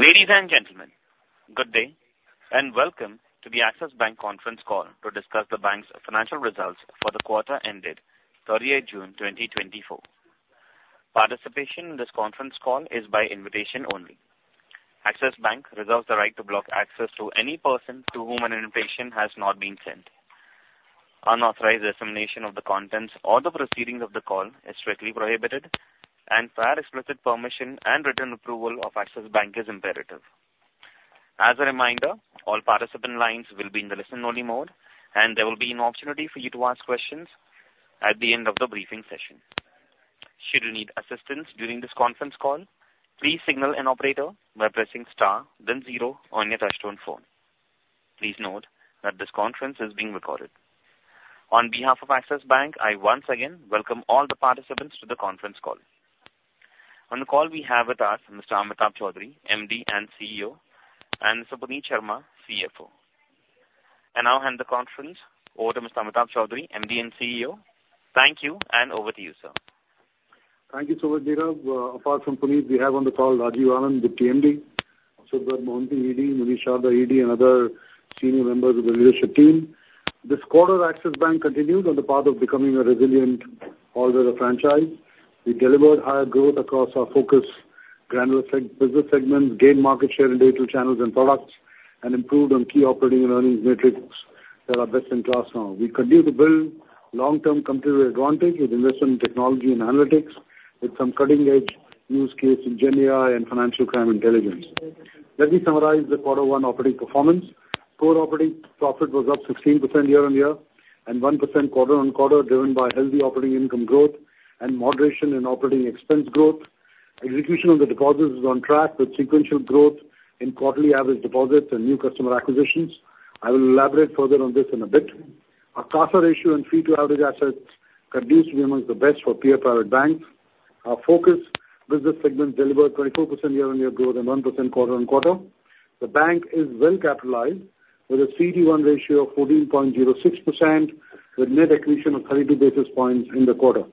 Ladies and gentlemen, good day and welcome to the Axis Bank conference call to discuss the bank's financial results for the quarter ended 30 June 2024. Participation in this conference call is by invitation only. Axis Bank reserves the right to block access to any person to whom an invitation has not been sent. Unauthorized dissemination of the contents or the proceedings of the call is strictly prohibited, and prior explicit permission and written approval of Axis Bank is imperative. As a reminder, all participant lines will be in the listen-only mode, and there will be an opportunity for you to ask questions at the end of the briefing session. Should you need assistance during this conference call, please signal an operator by pressing star, then zero on your touch-tone phone. Please note that this conference is being recorded. On behalf of Axis Bank, I once again welcome all the participants to the conference call. On the call, we have with us Mr. Amitabh Chaudhry, MD and CEO, and Mr. Puneet Sharma, CFO. And I'll hand the conference over to Mr. Amitabh Chaudhry, MD and CEO. Thank you, and over to you, sir. Thank you so much, Neeraj. Apart from Puneet, we have on the call Rajiv Anand, the DM, Subrat Mohanty, ED, Munish Sharda, ED, and other senior members of the leadership team. This quarter, Axis Bank continued on the path of becoming a resilient all-weather franchise. We delivered higher growth across our focus: granular business segments, gained market share in digital channels and products, and improved on key operating and earnings metrics that are best in class now. We continue to build long-term competitive advantage with investment in technology and analytics, with some cutting-edge use case in Gen AI and financial crime intelligence. Let me summarize the quarter one operating performance. Core operating profit was up 16% year-on-year, and 1% quarter-on-quarter, driven by healthy operating income growth and moderation in operating expense growth. Execution of the deposits was on track, with sequential growth in quarterly average deposits and new customer acquisitions. I will elaborate further on this in a bit. Our CASA ratio and fee-to-average assets produced were among the best for peer-provided banks. Our focus business segment delivered 24% year-on-year growth and 1% quarter-on-quarter. The bank is well-capitalized, with a CET1 ratio of 14.06%, with net accretion of 32 basis points in the quarter.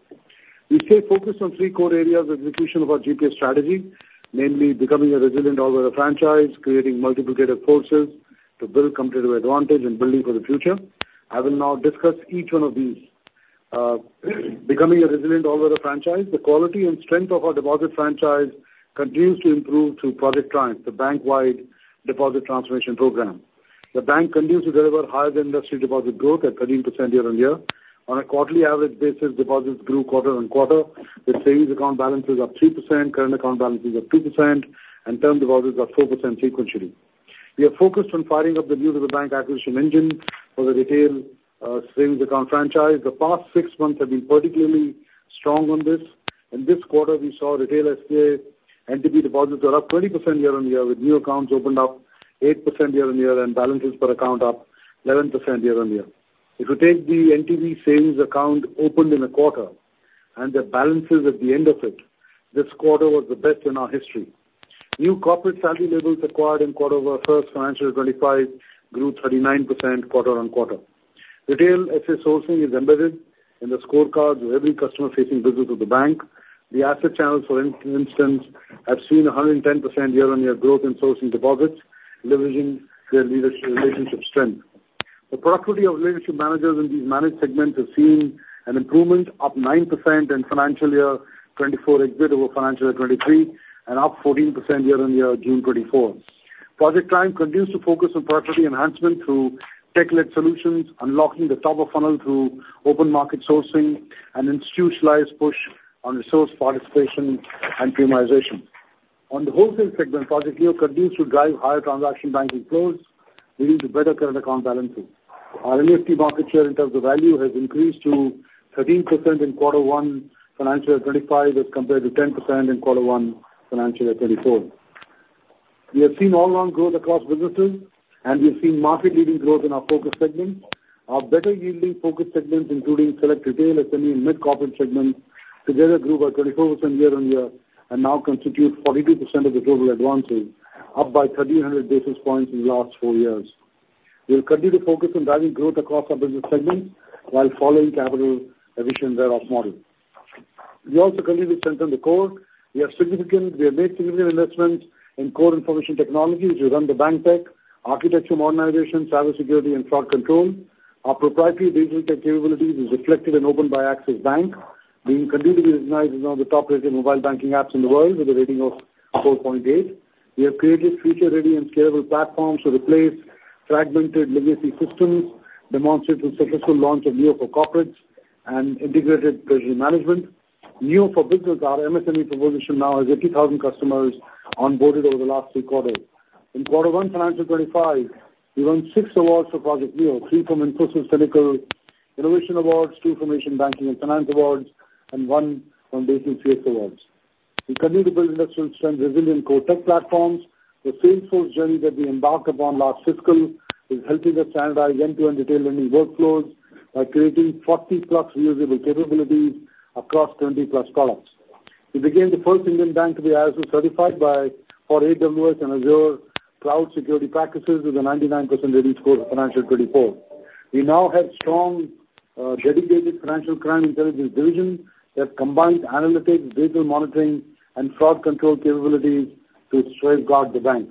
We stayed focused on three core areas of execution of our GPS strategy, namely becoming a resilient all-weather franchise, creating multiplicative forces to build competitive advantage, and building for the future. I will now discuss each one of these. Becoming a resilient all-weather franchise, the quality and strength of our deposit franchise continues to improve through Project Triumph, the bank-wide deposit transformation program. The bank continues to deliver higher-than-industry deposit growth at 13% year-on-year. On a quarterly average basis, deposits grew quarter-on-quarter, with savings account balances of 3%, current account balances of 2%, and term deposits of 4% sequentially. We are focused on firing up the NTB acquisition engine for the retail savings account franchise. The past six months have been particularly strong on this. In this quarter, we saw retail SBA NTB deposits go up 20% year-on-year, with new accounts opened up 8% year-on-year, and balances per account up 11% year-on-year. If you take the NTB savings account opened in a quarter and the balances at the end of it, this quarter was the best in our history. New corporate salary accounts acquired in Q1 FY25 grew 39% quarter-on-quarter. Retail SBA sourcing is embedded in the scorecards of every customer-facing business of the bank. The asset channels, for instance, have seen 110% year-on-year growth in sourcing deposits, leveraging their leadership relationship strength. The productivity of leadership managers in these managed segments has seen an improvement, up 9% in financial year 2024 exit over financial year 2023, and up 14% year-on-year June 2024. Project Triumph continues to focus on productivity enhancement through tech-led solutions, unlocking the top-of-funnel through open market sourcing and institutionalized push on resource participation and premiumization. On the wholesale segment, Project Leo continues to drive higher transaction banking flows, leading to better current account balances. Our NEFT market share in terms of value has increased to 13% in quarter one financial year 2025, as compared to 10% in quarter one financial year 2024. We have seen all-around growth across businesses, and we have seen market-leading growth in our focus segments. Our better-yielding focus segments, including select retail, SME, and mid-corporate segments, together grew by 24% year-on-year and now constitute 42% of the total advances, up by 1,300 basis points in the last four years. We'll continue to focus on driving growth across our business segments while following capital-efficient write-off models. We also continue to strengthen the core. We have made significant investments in core information technology, which will run the bank tech, architecture modernization, cybersecurity, and fraud control. Our proprietary digital capabilities are reflected in OPEN by Axis Bank, being continued to be recognized as one of the top-rated mobile banking apps in the world, with a rating of 4.8. We have created feature-ready and scalable platforms to replace fragmented legacy systems, demonstrating successful launch of NEO for Corporates and integrated treasury management. NEO for Business, our MSME proposition now has 80,000 customers onboarded over the last three quarters. In quarter one fiscal 2025, we won 6 awards for Project Leo, 3 from Infosys Finacle Innovation Awards, 2 from Asian Banking & Finance Awards, and 1 from Digital CX Awards. We continue to build industrial-strength, resilient core tech platforms. The Salesforce journey that we embarked upon last fiscal is helping us standardize end-to-end retail learning workflows by creating 40+ reusable capabilities across 20+ products. We became the first Indian bank to be ISO-certified by AWS and Azure Cloud Security Practices, with a 99% rating score for fiscal 2024. We now have strong, dedicated financial crime intelligence division that combines analytics, data monitoring, and fraud control capabilities to safeguard the bank.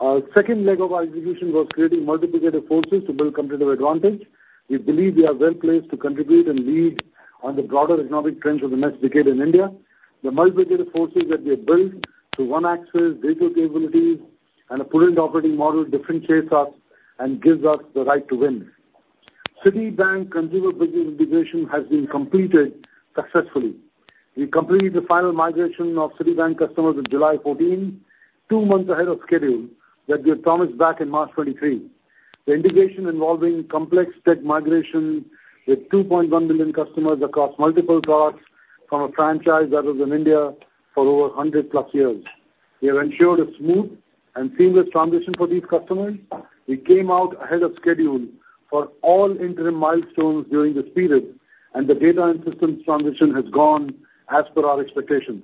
Our second leg of our execution was creating multiplicative forces to build competitive advantage. We believe we are well-placed to contribute and lead on the broader economic trends of the next decade in India. The multiplicative forces that we have built through OneAxis, digital capabilities, and a prudent operating model differentiates us and gives us the right to win. Citibank consumer business integration has been completed successfully. We completed the final migration of Citibank customers on July 14, two months ahead of schedule that we had promised back in March 2023. The integration involving complex tech migration with 2.1 million customers across multiple products from a franchise that was in India for over 100+ years. We have ensured a smooth and seamless transition for these customers. We came out ahead of schedule for all interim milestones during this period, and the data and systems transition has gone as per our expectations.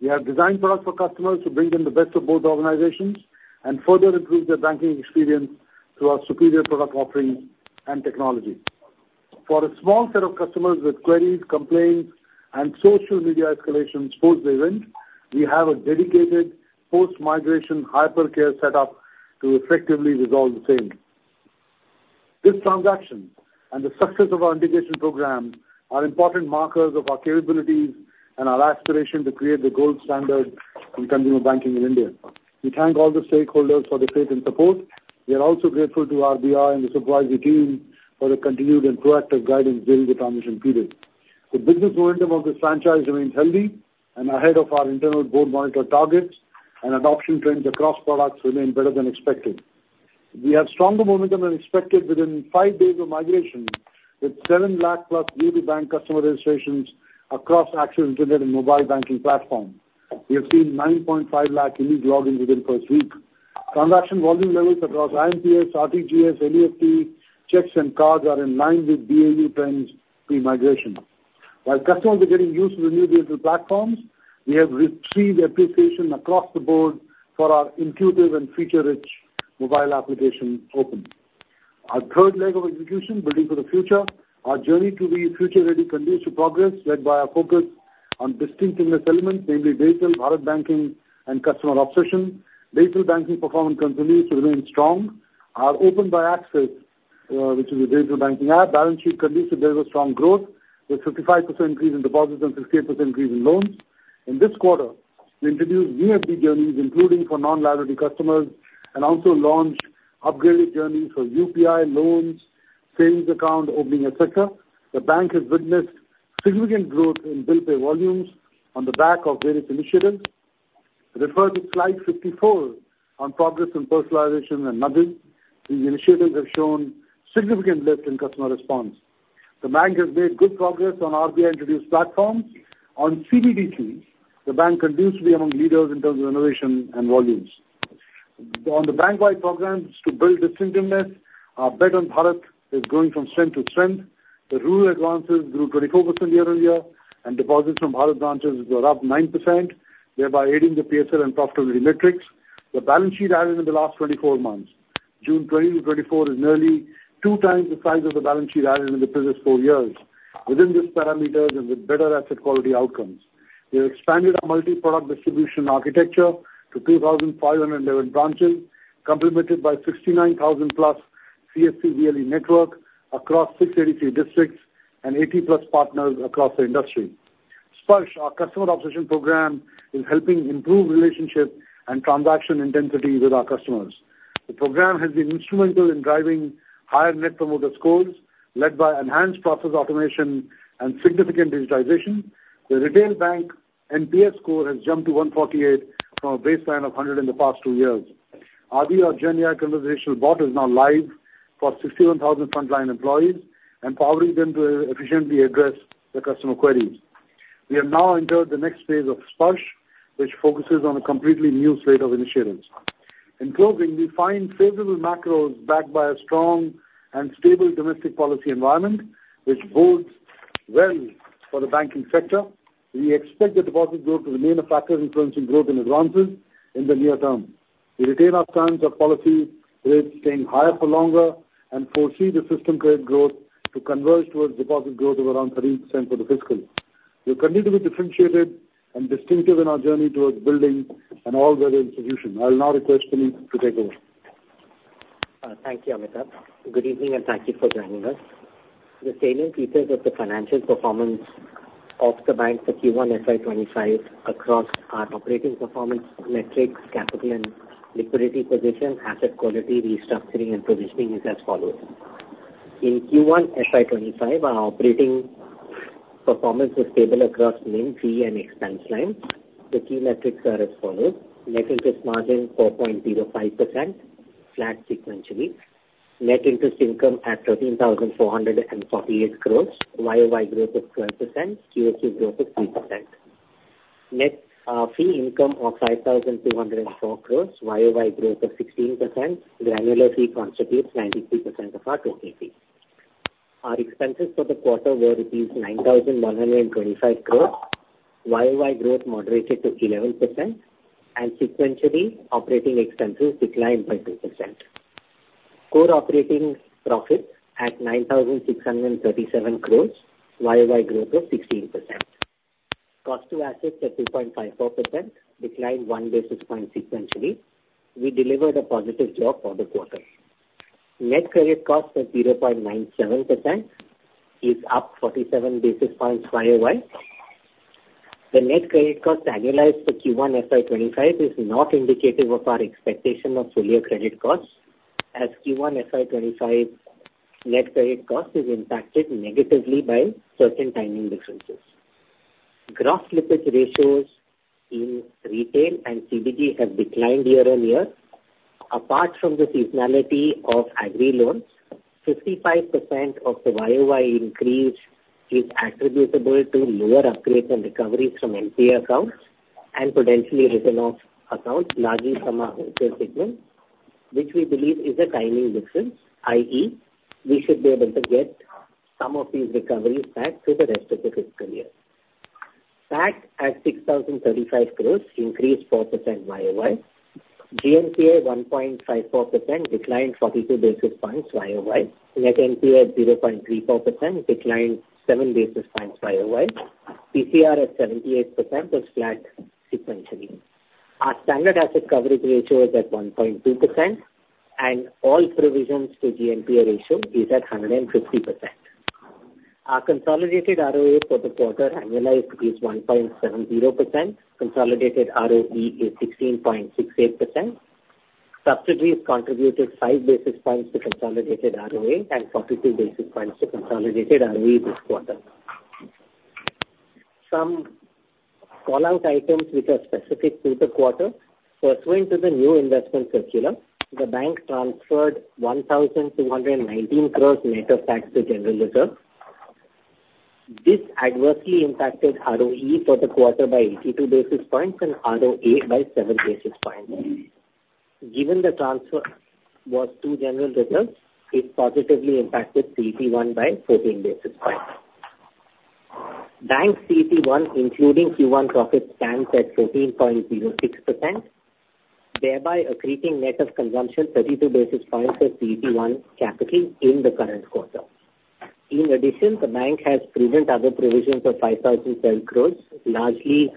We have designed products for customers to bring them the best of both organizations and further improve their banking experience through our superior product offerings and technology. For a small set of customers with queries, complaints, and social media escalations post the event, we have a dedicated post-migration hypercare setup to effectively resolve the same. This transaction and the success of our integration program are important markers of our capabilities and our aspiration to create the gold standard in consumer banking in India. We thank all the stakeholders for their faith and support. We are also grateful to our RBI and the supervisory team for the continued and proactive guidance during the transition period. The business momentum of this franchise remains healthy, and ahead of our internal board monitor targets, and adoption trends across products remain better than expected. We have stronger momentum than expected within 5 days of migration, with 700,000-plus new bank customer registrations across Axis Internet and mobile banking platforms. We have seen 950,000 unique logins within the first week. Transaction volume levels across IMPS, RTGS, NEFT, checks, and cards are in line with BAU trends pre-migration. While customers are getting used to the new digital platforms, we have received appreciation across the board for our intuitive and feature-rich mobile application OPEN. Our third leg of execution, building for the future, our journey to be future-ready continues to progress, led by our focus on distinct index elements, namely Digital Bharat Banking and customer obsession. Digital banking performance continues to remain strong. Our OPEN by Axis, which is a digital banking app, balance sheet continues to deliver strong growth, with a 55% increase in deposits and a 58% increase in loans. In this quarter, we introduced new FD journeys, including for non-liability customers, and also launched upgraded journeys for UPI, loans, savings account opening, etc. The bank has witnessed significant growth in bill pay volumes on the back of various initiatives. Refer to slide 54 on progress in personalization and nudging. These initiatives have shown significant lift in customer response. The bank has made good progress on RBI-introduced platforms. On CBGCs, the bank continues to be among leaders in terms of innovation and volumes. On the bank-wide programs to build distinctiveness, our bet on Bharat is growing from strength to strength. The rural advances grew 24% year-on-year, and deposits from Bharat branches were up 9%, thereby aiding the PSL and profitability metrics. The balance sheet added in the last 24 months, June 2020 to 2024, is nearly two times the size of the balance sheet added in the previous four years. Within these parameters and with better asset quality outcomes, we have expanded our multi-product distribution architecture to 2,511 branches, complemented by 69,000+ CSC VLE network across 683 districts and 80+ partners across the industry. Sparsh, our customer obsession program, is helping improve relationship and transaction intensity with our customers. The program has been instrumental in driving higher net promoter scores, led by enhanced process automation and significant digitization. The retail bank NPS score has jumped to 148 from a baseline of 100 in the past two years. RBI Gen AI conversational bot is now live for 61,000 frontline employees, empowering them to efficiently address the customer queries. We have now entered the next phase of Sparsh, which focuses on a completely new slate of initiatives. In closing, we find favorable macros backed by a strong and stable domestic policy environment, which bodes well for the banking sector. We expect the deposit growth to remain a factor influencing growth and advances in the near term. We retain our standards of policy rates, staying higher for longer, and foresee the system trade growth to converge towards deposit growth of around 13% for the fiscal. We'll continue to be differentiated and distinctive in our journey towards building an all-weather institution. I'll now request Puneet to take over. Thank you, Amitabh. Good evening, and thank you for joining us. The salient features of the financial performance of the bank for Q1 FY25 across our operating performance metrics, capital, and liquidity position, asset quality, restructuring, and positioning are as follows. In Q1 FY25, our operating performance was stable across NIM, fee, and expense lines. The key metrics are as follows: net interest margin 4.05%, flat sequentially. Net interest income at 13,448 crore, YoY growth of 12%, QOQ growth of 3%. Net fee income of 5,204 crore, YoY growth of 16%. Granular fee constitutes 93% of our total fee. Our expenses for the quarter were INR 9,125 crore. YoY growth moderated to 11%. Sequentially, operating expenses declined by 2%. Core operating profit at 9,637 crore. YoY growth of 16%. Cost to assets at 2.54%, declined one basis point sequentially. We delivered a positive JAWS for the quarter. Net credit cost at 0.97% is up 47 basis points YoY. The net credit cost annualized for Q1 FY 2025 is not indicative of our expectation of full-year credit costs, as Q1 FY 2025 net credit cost is impacted negatively by certain timing differences. Gross liquidity ratios in retail and CBG have declined year-over-year. Apart from the seasonality of agri loans, 55% of the year-over-year increase is attributable to lower upgrades and recoveries from NPA accounts and potentially written-off accounts, largely from our wholesale segment, which we believe is a timing difference, i.e., we should be able to get some of these recoveries back through the rest of the fiscal year. PAT at INR 6,035 crores increased 4% year-over-year. GNPA 1.54% declined 42 basis points year-over-year. Net NPA at 0.34% declined 7 basis points year-over-year. PCR at 78% was flat sequentially. Our standard asset coverage ratio is at 1.2%, and all provisions to GNPA ratio is at 150%. Our consolidated ROA for the quarter annualized is 1.70%. Consolidated ROE is 16.68%. Subsidies contributed 5 basis points to consolidated ROA and 42 basis points to consolidated ROE this quarter. Some callout items which are specific to the quarter. Pursuant to the new investment circular, the bank transferred 1,219 crore net of tax to general reserve. This adversely impacted ROE for the quarter by 82 basis points and ROA by 7 basis points. Given the transfer was to general reserves, it positively impacted CET1 by 14 basis points. Bank CET1, including Q1 profits, stands at 14.06%, thereby accreting net of consumption 32 basis points of CET1 capital in the current quarter. In addition, the bank has prudent other provisions of 5,012 crore, largely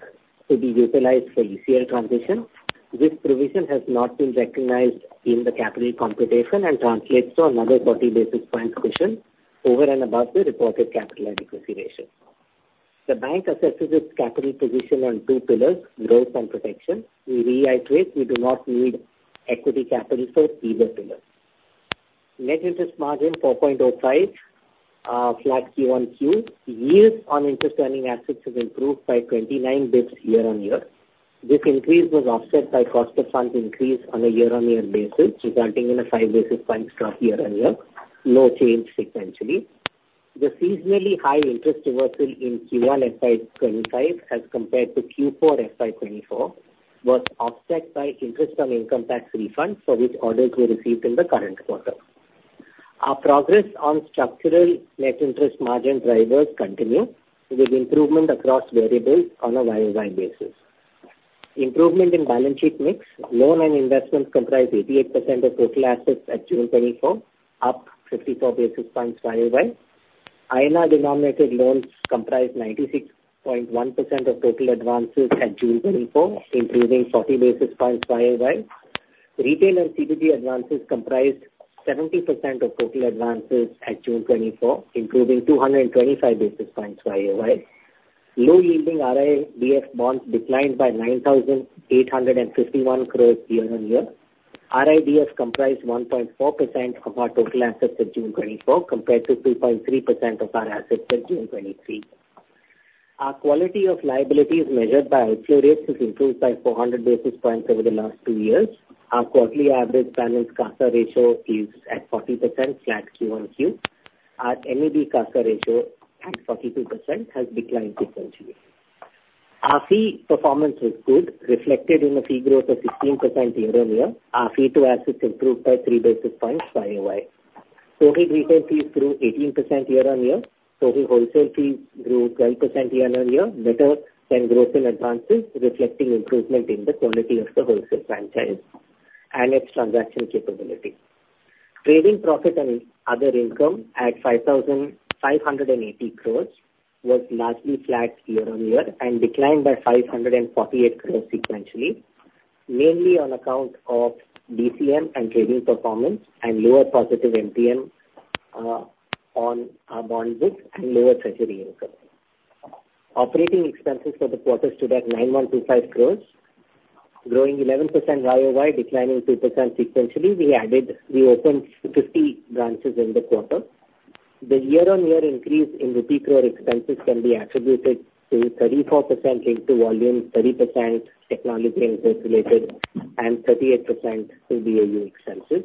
to be utilized for ECL transition. This provision has not been recognized in the capital computation and translates to another 40 basis points cushion over and above the reported capital adequacy ratio. The bank assesses its capital position on two pillars: growth and protection. We reiterate we do not need equity capital for either pillar. Net interest margin 4.05%, flat QoQ. Years on interest earning assets have improved by 29 basis points year-on-year. This increase was offset by cost of funds increase on a year-on-year basis, resulting in a 5 basis point drop year-on-year, no change sequentially. The seasonally high interest reversal in Q1 FY25, as compared to Q4 FY24, was offset by interest on income tax refunds for which orders were received in the current quarter. Our progress on structural net interest margin drivers continue, with improvement across variables on a YoY basis. Improvement in balance sheet mix. Loan and investments comprise 88% of total assets at June 2024, up 54 basis points YoY. INR-denominated loans comprise 96.1% of total advances at June 2024, improving 40 basis points YoY. Retail and CBG advances comprised 70% of total advances at June 2024, improving 225 basis points YoY. Low-yielding RIDF bonds declined by 9,851 crore year-on-year. RIDF comprised 1.4% of our total assets at June 2024, compared to 2.3% of our assets at June 2023. Our quality of liabilities measured by outflow rates has improved by 400 basis points over the last two years. Our quarterly average balance CASA ratio is at 40%, flat QoQ. Our NAB CASA ratio at 42% has declined sequentially. Our fee performance was good, reflected in a fee growth of 16% year-on-year. Our fee to assets improved by 3 basis points YoY. Total retail fees grew 18% year-on-year. Total wholesale fees grew 12% year-on-year, better than growing advances, reflecting improvement in the quality of the wholesale franchise and its transaction capability. Trading profit and other income at 5,580 crore was largely flat year-on-year and declined by 548 crore sequentially, mainly on account of DCM and trading performance and lower positive MTM on our bond book and lower treasury income. Operating expenses for the quarter stood at 9,125 crores, growing 11% YoY, declining 2% sequentially. We opened 50 branches in the quarter. The year-on-year increase in rupee crore expenses can be attributed to 34% linked to volume, 30% technology and growth-related, and 38% to BAU expenses.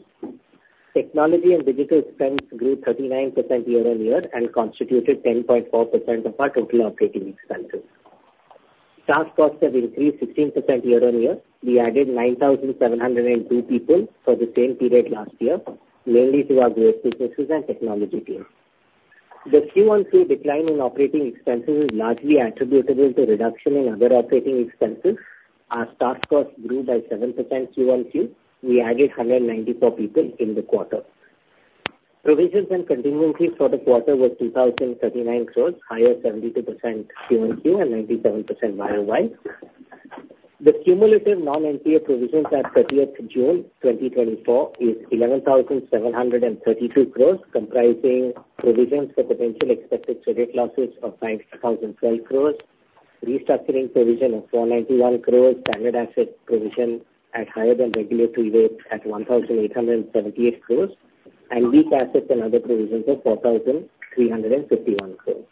Technology and digital expense grew 39% year-on-year and constituted 10.4% of our total operating expenses. Staff costs have increased 16% year-on-year. We added 9,702 people for the same period last year, mainly through our growth businesses and technology teams. The QoQ decline in operating expenses is largely attributable to reduction in other operating expenses. Our staff costs grew by 7% QoQ. We added 194 people in the quarter. Provisions and contingencies for the quarter were 2,039 crores, higher 72% QoQ and 97% YoY. The cumulative non-NPA provisions at 30 June 2024 is 11,732 crores, comprising provisions for potential expected credit losses of 9,012 crores, restructuring provision of 491 crores, standard asset provision at higher than regulatory rates at 1,878 crores, and weak assets and other provisions of 4,351 crores.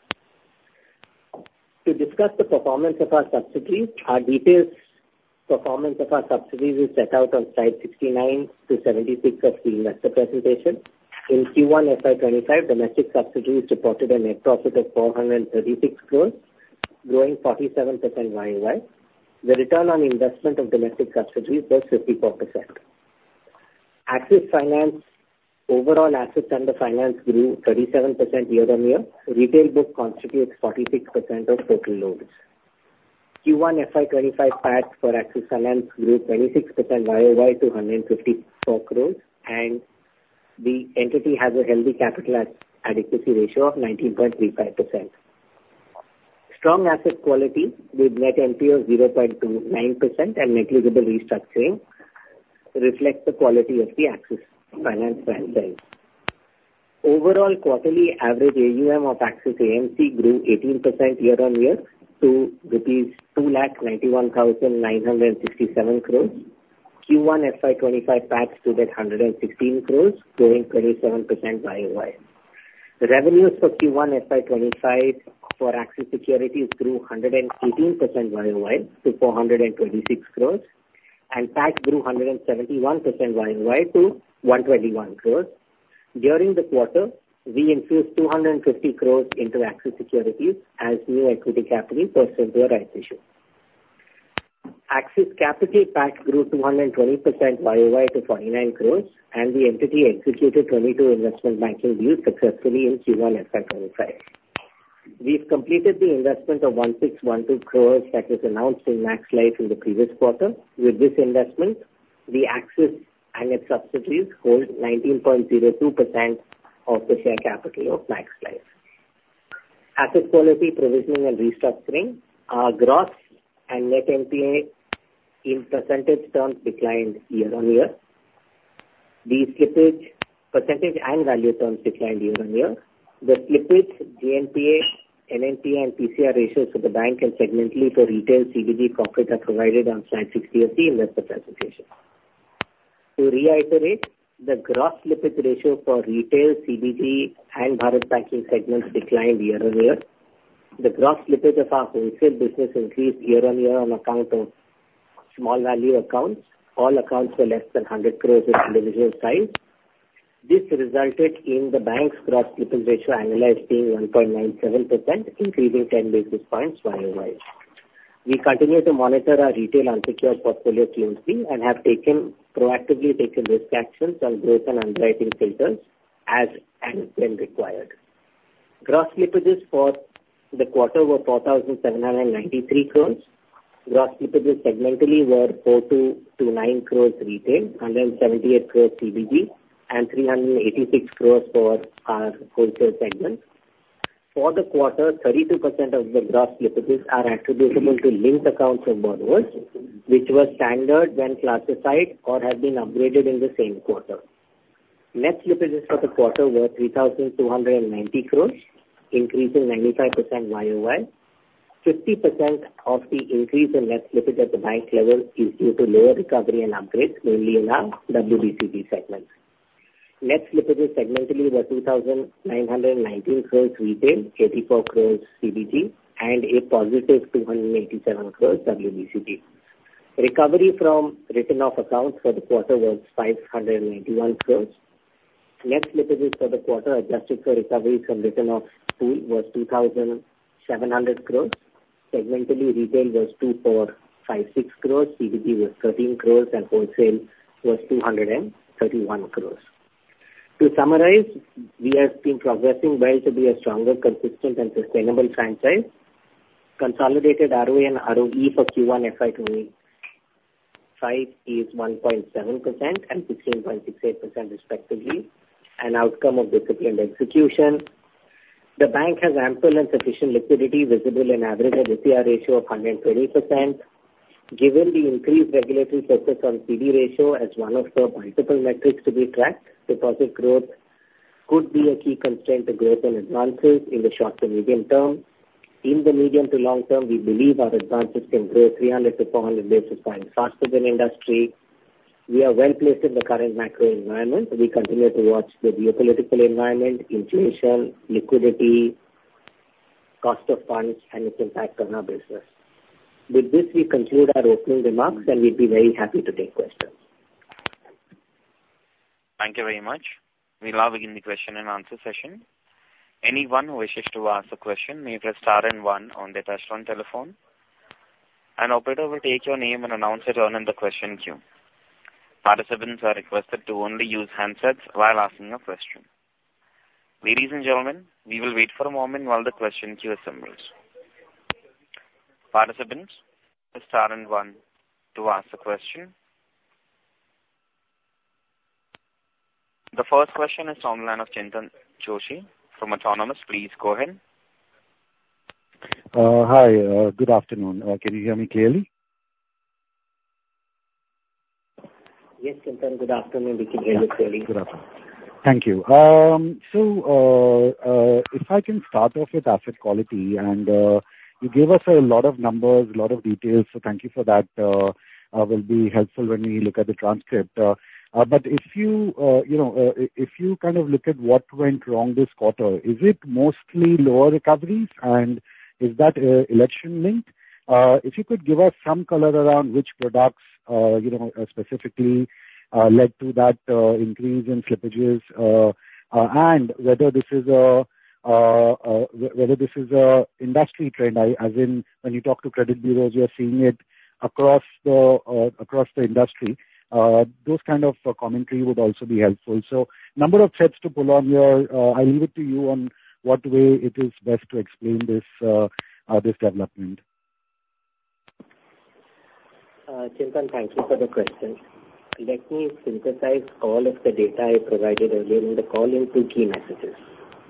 To discuss the performance of our subsidiaries, our detailed performance of our subsidiaries is set out on slide 69 to 76 of the investor presentation. In Q1 FY25, domestic subsidiaries reported a net profit of 436 crores, growing 47% YoY. The return on investment of domestic subsidiaries was 54%. Axis Finance overall assets under finance grew 37% year-on-year. Retail book constitutes 46% of total loans. Q1 FY25 PAT for Axis Finance grew 26% YoY to 154 crores, and the entity has a healthy capital adequacy ratio of 19.35%. Strong asset quality with net NPA 0.29% and negligible restructuring reflects the quality of the Axis Finance franchise. Overall quarterly average AUM of Axis AMC grew 18% year-on-year to INR 2,919,607 crores. Q1 FY25 PAT stood at 116 crores, growing 27% YoY. Revenues for Q1 FY25 for Axis Securities grew 118% YoY to 426 crores, and PAT grew 171% YoY to 121 crores. During the quarter, we infused 250 crores into Axis Securities as new equity capital for capitalization. Axis Capital PAT grew 220% YoY to 49 crores, and the entity executed 22 investment banking deals successfully in Q1 FY25. We've completed the investment of 1,612 crores that was announced in Max Life in the previous quarter. With this investment, the Axis and its subsidiaries hold 19.02% of the share capital of Max Life. Asset quality, provisioning, and restructuring, our gross and net NPA in percentage terms declined year-on-year. The slippage percentage and value terms declined year-on-year. The slippage GNPA, NNPA, and PCR ratios for the bank and segmentally for retail, CBG, and Bharat are provided on slide 60 of the investor presentation. To reiterate, the gross slippage ratio for retail, CBG, and Bharat Banking segments declined year-on-year. The gross slippage of our wholesale business increased year-on-year on account of small value accounts, all accounts for less than 100 crores at individual size. This resulted in the bank's gross slippage ratio annualized being 1.97%, increasing 10 basis points YoY. We continue to monitor our retail unsecured portfolio QoQ and have proactively taken risk actions on growth and underwriting filters as and when required. Gross slippages for the quarter were 4,793 crores. Gross slippages segmentally were 4,229 crores retail, 178 crores CBG, and 386 crores for our wholesale segment. For the quarter, 32% of the gross slippages are attributable to linked accounts of borrowers, which were standard when classified or have been upgraded in the same quarter. Net slippages for the quarter were 3,290 crores, increasing 95% YoY. 50% of the increase in net slippage at the bank level is due to lower recovery and upgrades, mainly in our WBCG segments. Net slippages segmentally were 2,919 crores retail, 84 crores CBG, and a positive 287 crores WBCG. Recovery from written-off accounts for the quarter was 591 crores. Net slippages for the quarter adjusted for recovery from written-off pool was 2,700 crores. Segmentally, retail was 2,456 crores, CBG was 13 crores, and wholesale was 231 crores. To summarize, we have been progressing well to be a stronger, consistent, and sustainable franchise. Consolidated ROE and ROE for Q1 FY25 is 1.7% and 16.68% respectively, an outcome of disciplined execution. The bank has ample and sufficient liquidity visible in average ETR ratio of 120%. Given the increased regulatory focus on CD ratio as one of the multiple metrics to be tracked, deposit growth could be a key constraint to growth and advances in the short to medium term. In the medium to long term, we believe our advances can grow 300-400 basis points faster than industry. We are well placed in the current macro environment. We continue to watch the geopolitical environment, inflation, liquidity, cost of funds, and its impact on our business. With this, we conclude our opening remarks, and we'd be very happy to take questions. Thank you very much. We'll now begin the question and answer session. Anyone who wishes to ask a question may press star and one on their touch-tone telephone, and the operator will take your name and announce your turn in the question queue. Participants are requested to only use handsets while asking a question. Ladies and gentlemen, we will wait for a moment while the question queue assembles. Participants, press star and one to ask a question. The first question is from the line of Chintan Joshi from Autonomous Research. Please go ahead. Hi. Good afternoon. Can you hear me clearly? Yes, Chintan. Good afternoon. We can hear you clearly. Good afternoon. Thank you. So if I can start off with asset quality, and you gave us a lot of numbers, a lot of details, so thank you for that. It will be helpful when we look at the transcript. But if you kind of look at what went wrong this quarter, is it mostly lower recoveries, and is that election linked? If you could give us some color around which products specifically led to that increase in slippages and whether this is an industry trend, as in when you talk to credit bureaus, you're seeing it across the industry. That kind of commentary would also be helpful. So a number of threads to pull on here. I leave it to you on what way it is best to explain this development. Chintan, thank you for the question. Let me synthesize all of the data I provided earlier in the call into key messages.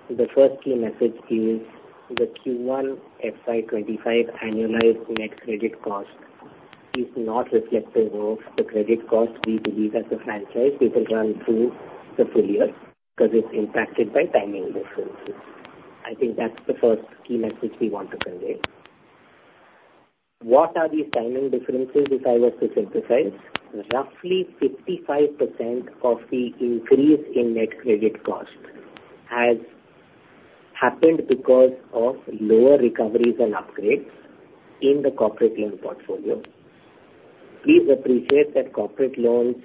The first key message is the Q1 FY25 annualized net credit cost is not reflective of the credit cost we believe as a franchise we can run through the full year because it's impacted by timing differences. I think that's the first key message we want to convey. What are these timing differences, if I were to synthesize? Roughly 55% of the increase in net credit cost has happened because of lower recoveries and upgrades in the corporate loan portfolio. Please appreciate that corporate loans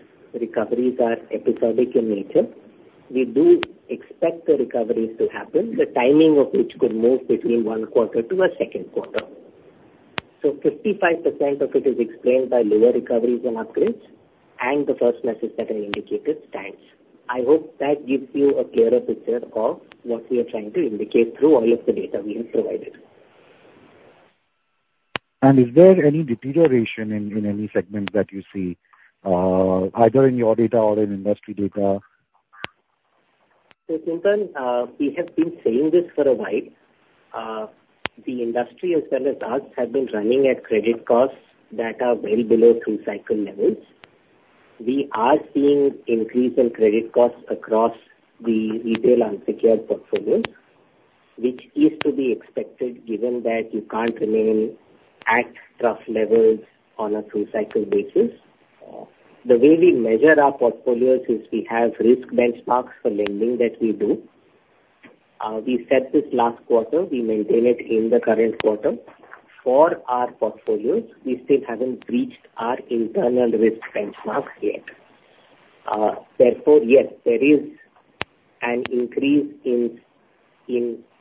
recoveries are episodic in nature. We do expect the recoveries to happen, the timing of which could move between one quarter to a second quarter. So 55% of it is explained by lower recoveries and upgrades, and the first message that I indicated stands. I hope that gives you a clearer picture of what we are trying to indicate through all of the data we have provided. Is there any deterioration in any segment that you see, either in your data or in industry data? Chintan, we have been saying this for a while. The industry, as well as us, have been running at credit costs that are well below through-cycle levels. We are seeing increase in credit costs across the retail unsecured portfolios, which is to be expected given that you can't remain at trough levels on a through-cycle basis. The way we measure our portfolios is we have risk benchmarks for lending that we do. We said this last quarter. We maintain it in the current quarter. For our portfolios, we still haven't breached our internal risk benchmarks yet. Therefore, yes, there is an increase in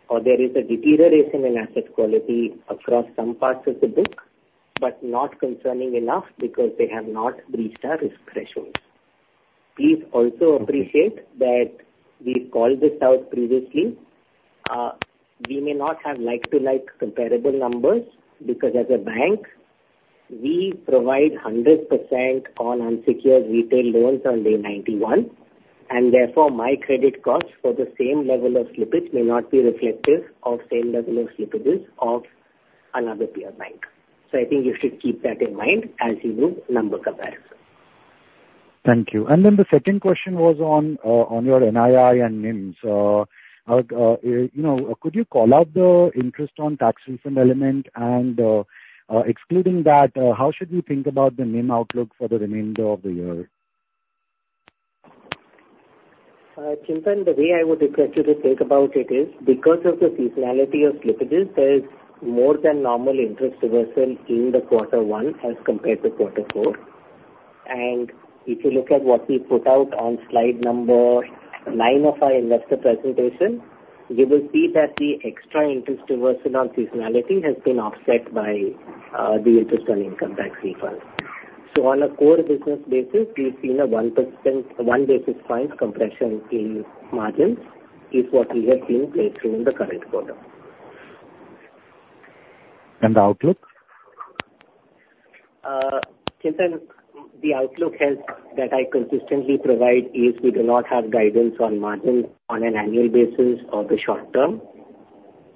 or there is a deterioration in asset quality across some parts of the book, but not concerning enough because they have not breached our risk thresholds. Please also appreciate that we've called this out previously. We may not have like-for-like comparable numbers because, as a bank, we provide 100% on unsecured retail loans on day 91, and therefore my credit costs for the same level of slippage may not be reflective of same level of slippages of another peer bank. So I think you should keep that in mind as you do number comparison. Thank you. And then the second question was on your NII and NIMs. Could you call out the interest on tax refund element? And excluding that, how should we think about the NIM outlook for the remainder of the year? Chintan, the way I would request you to think about it is because of the seasonality of slippages, there's more than normal interest reversal in the quarter one as compared to quarter four. If you look at what we put out on slide number nine of our investor presentation, you will see that the extra interest reversal on seasonality has been offset by the interest on income tax refund. On a core business basis, we've seen a 1 basis point compression in margins is what we have seen play through in the current quarter. And the outlook? Chintan, the outlook that I consistently provide is we do not have guidance on margins on an annual basis or the short term.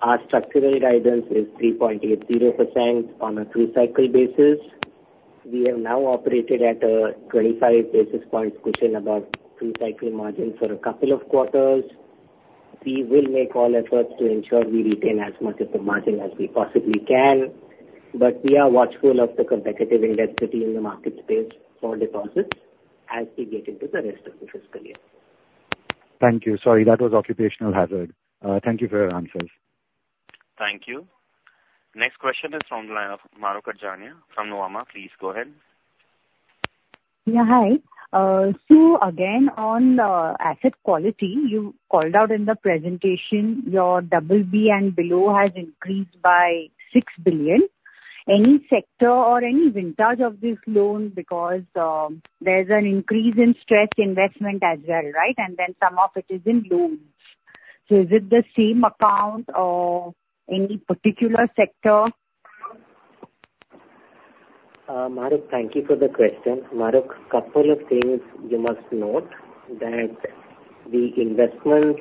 Our structural guidance is 3.80% on a through cycle basis. We have now operated at a 25 basis points squeeze in our through-cycle margin for a couple of quarters. We will make all efforts to ensure we retain as much of the margin as we possibly can, but we are watchful of the competitive intensity in the market space for deposits as we get into the rest of the fiscal year. Thank you. Sorry, that was occupational hazard. Thank you for your answers. Thank you. Next question is from Mahrukh Adajania from Nuvama. Please go ahead. Yeah, hi. So again, on asset quality, you called out in the presentation your BB and below has increased by 6 billion. Any sector or any vintage of this loan? Because there's an increase in stress investment as well, right? And then some of it is in loans. So is it the same account or any particular sector? Mahrukh, thank you for the question. Mahrukh, couple of things you must note that the investments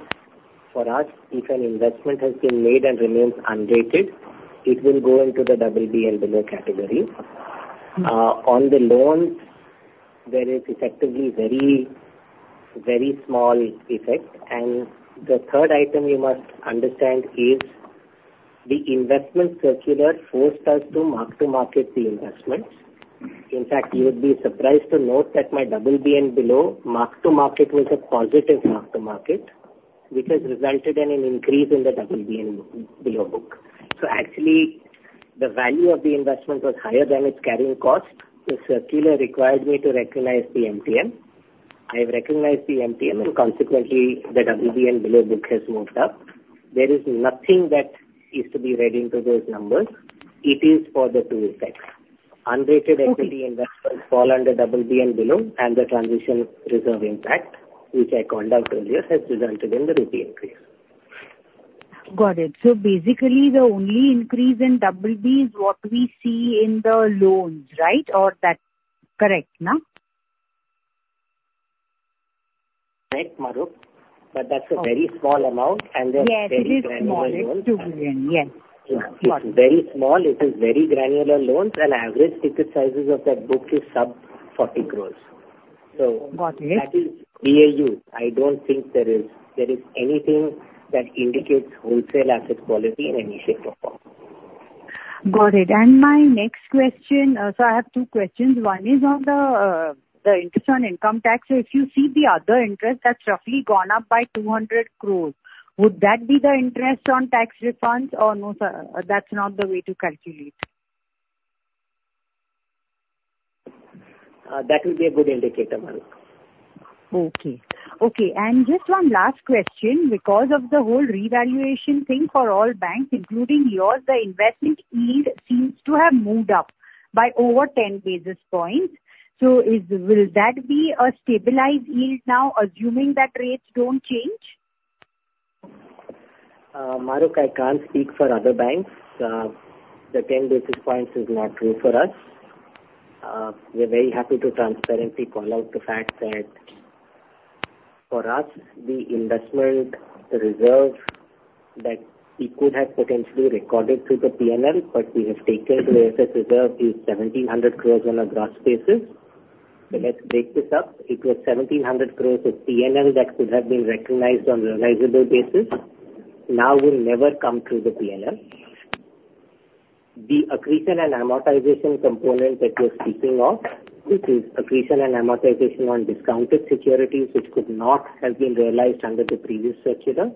for us, if an investment has been made and remains unrated, it will go into the BB and below category. On the loans, there is effectively very, very small effect. The third item you must understand is the investment circular forced us to mark to market the investments. In fact, you would be surprised to note that my BB and below mark to market was a positive mark to market, which has resulted in an increase in the BB and below book. So actually, the value of the investment was higher than its carrying cost. The circular required me to recognize the MTM. I have recognized the MTM, and consequently, the BB and below book has moved up. There is nothing that is to be read into those numbers. It is for the two effects. Unrated equity investments fall under BB and below, and the transition reserve impact, which I called out earlier, has resulted in the retail increase. Got it. So basically, the only increase in BB is what we see in the loans, right? Or that correct, no? Correct, Mahrukh. But that's a very small amount. And then very granular loans. Yes, it is very small. It is very granular loans, and average ticket sizes of that book is sub-40 crore. So that is BAU. I don't think there is anything that indicates wholesale asset quality in any shape or form. Got it. And my next question, so I have two questions. One is on the interest on income tax. So if you see the other interest, that's roughly gone up by 200 crore. Would that be the interest on tax refunds or no? That's not the way to calculate. That would be a good indicator, Mahrukh. Okay. Okay. Just one last question. Because of the whole revaluation thing for all banks, including yours, the investment yield seems to have moved up by over 10 basis points. So will that be a stabilized yield now, assuming that rates don't change? Mahrukh, I can't speak for other banks. The 10 basis points is not true for us. We are very happy to transparently call out the fact that for us, the investment reserve that we could have potentially recorded through the P&L, but we have taken to the asset reserve is 1,700 crore on a gross basis. So let's break this up. It was 1,700 crore of P&L that could have been recognized on a realizable basis. Now will never come through the P&L. The accretion and amortization component that you're speaking of, which is accretion and amortization on discounted securities, which could not have been realized under the previous circular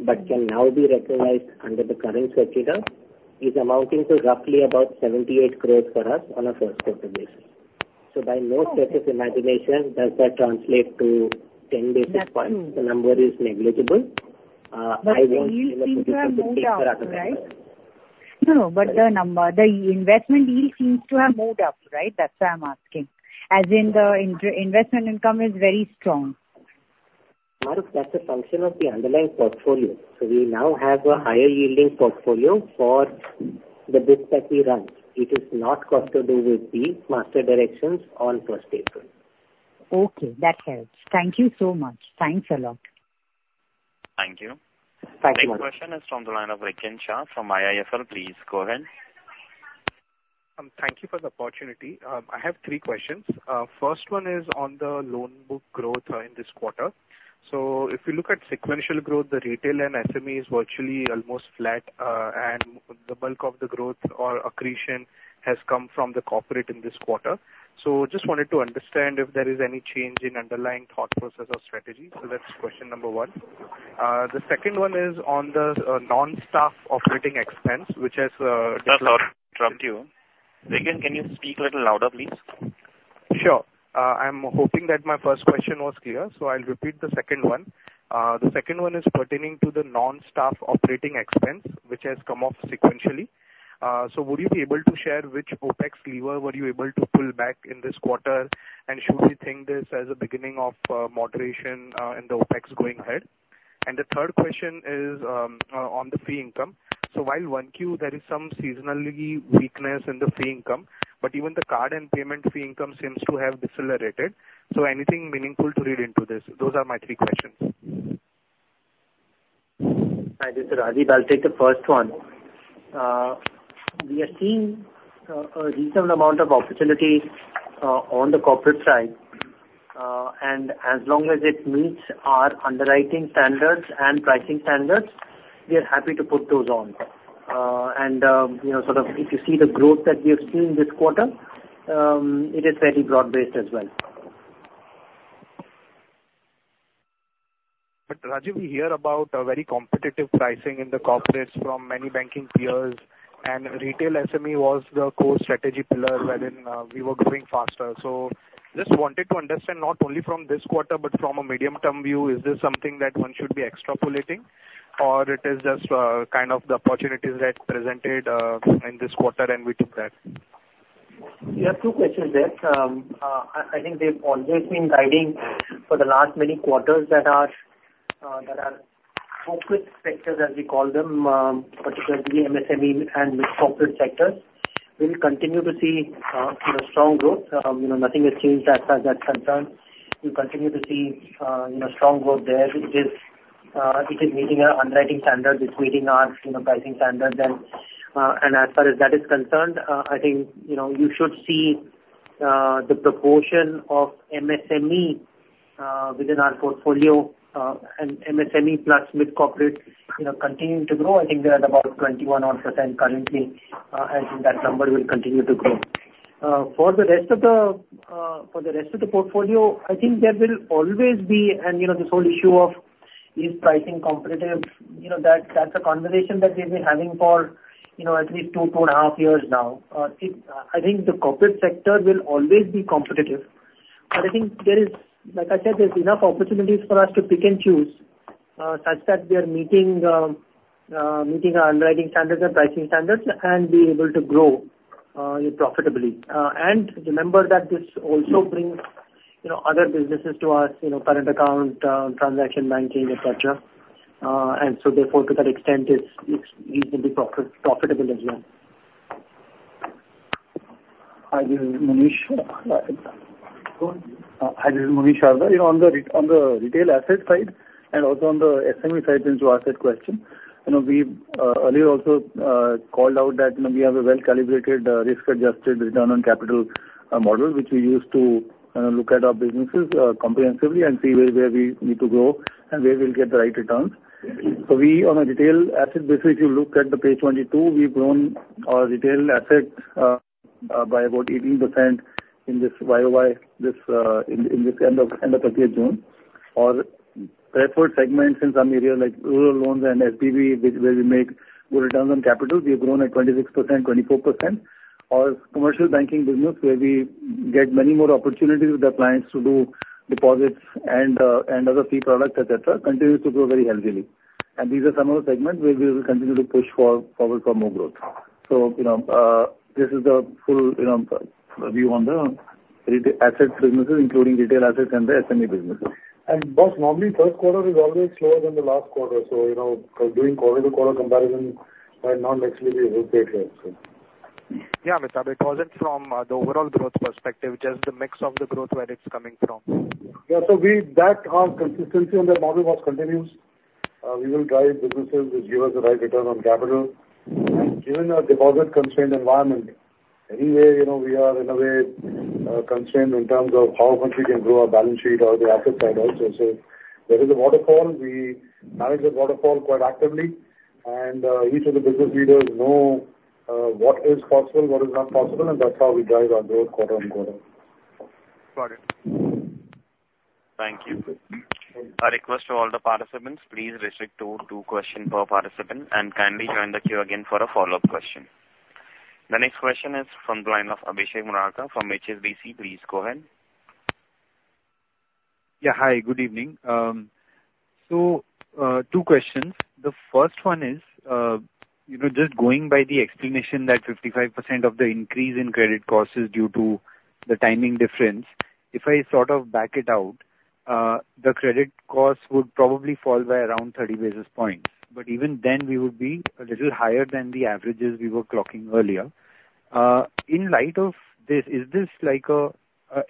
but can now be recognized under the current circular, is amounting to roughly 78 crore for us on a first quarter basis. So by no stretch of imagination, does that translate to 10 basis points? The number is negligible. I won't be able to take that out of the question. No, but the investment yield seems to have moved up, right? That's why I'm asking. As in the investment income is very strong. Mahrukh, that's a function of the underlying portfolio. So we now have a higher yielding portfolio for the book that we run. It is not got to do with the master directions on first paper. Okay. That helps. Thank you so much. Thanks a lot. Thank you. Thank you much. The question is from the line of Rikin Shah from IIFL. Please go ahead. Thank you for the opportunity. I have three questions. First one is on the loan book growth in this quarter. So if you look at sequential growth, the retail and SMEs virtually almost flat, and the bulk of the growth or accretion has come from the corporate in this quarter. So just wanted to understand if there is any change in underlying thought process or strategy. So that's question number one. The second one is on the non-staff operating expense, which has— Sorry, interrupted you. Rikin, can you speak a little louder, please? Sure. I'm hoping that my first question was clear, so I'll repeat the second one. The second one is pertaining to the non-staff operating expense, which has come off sequentially. So would you be able to share which OpEx lever were you able to pull back in this quarter, and should we think this as a beginning of moderation in the OpEx going ahead? And the third question is on the fee income. So while 1Q, there is some seasonal weakness in the fee income, but even the card and payment fee income seems to have decelerated. So anything meaningful to read into this? Those are my three questions. Thank you, Sir. I'll take the first one. We are seeing a reasonable amount of opportunity on the corporate side. And as long as it meets our underwriting standards and pricing standards, we are happy to put those on. And sort of if you see the growth that we have seen this quarter, it is very broad-based as well. But Rajiv, we hear about very competitive pricing in the corporates from many banking peers, and retail SME was the core strategy pillar wherein we were growing faster. So just wanted to understand not only from this quarter but from a medium-term view, is this something that one should be extrapolating, or it is just kind of the opportunities that presented in this quarter and we took that? You have two questions there. I think they've always been guiding for the last many quarters that are corporate sectors, as we call them, particularly MSME and corporate sectors. We will continue to see strong growth. Nothing has changed as far as that's concerned. We'll continue to see strong growth there, which is meeting our underwriting standards, it's meeting our pricing standards. As far as that is concerned, I think you should see the proportion of MSME within our portfolio and MSME plus mid-corporate continuing to grow. I think they're at about 21% currently, and that number will continue to grow. For the rest of the portfolio, I think there will always be, and this whole issue of is pricing competitive, that's a conversation that we've been having for at least two to two point five years now. I think the corporate sector will always be competitive. But I think there is, like I said, there's enough opportunities for us to pick and choose such that we are meeting our underwriting standards and pricing standards and be able to grow profitably. And remember that this also brings other businesses to us, current account, transaction banking, etc. And so therefore, to that extent, it's reasonably profitable as well. Are you, Manish? Are you, Manish Sharma? On the retail asset side and also on the SME side, since you asked that question, we earlier also called out that we have a well-calibrated risk-adjusted return on capital model, which we use to look at our businesses comprehensively and see where we need to grow and where we'll get the right returns. So we, on a retail asset basis, if you look at the page 22, we've grown our retail assets by about 18% in this YoY in this end of June. Or preferred segments in some areas like rural loans and SBB, where we make good returns on capital, we've grown at 26%, 24%. Or commercial banking business, where we get many more opportunities with our clients to do deposits and other fee products, etc., continues to grow very healthily. These are some of the segments where we will continue to push forward for more growth. So this is the full view on the asset businesses, including retail assets and the SME businesses. And boss, normally first quarter is always slower than the last quarter. So doing quarter-to-quarter comparison might not actually be appropriate here. Yeah, but because it's from the overall growth perspective, just the mix of the growth where it's coming from. Yeah. So that consistency on the model was continuous. We will drive businesses which give us the right return on capital. And given our deposit constrained environment, anyway, we are in a way constrained in terms of how much we can grow our balance sheet or the asset side also. So there is a waterfall. We manage the waterfall quite actively. And each of the business leaders know what is possible, what is not possible, and that's how we drive our growth quarter on quarter. Got it. Thank you. Request to all the participants, please restrict to two questions per participant and kindly join the queue again for a follow-up question. The next question is from the line of Abhishek Murarka from HSBC. Please go ahead. Yeah, hi. Good evening. So two questions. The first one is just going by the explanation that 55% of the increase in credit cost is due to the timing difference. If I sort of back it out, the credit cost would probably fall by around 30 basis points. But even then, we would be a little higher than the averages we were clocking earlier. In light of this, is this like a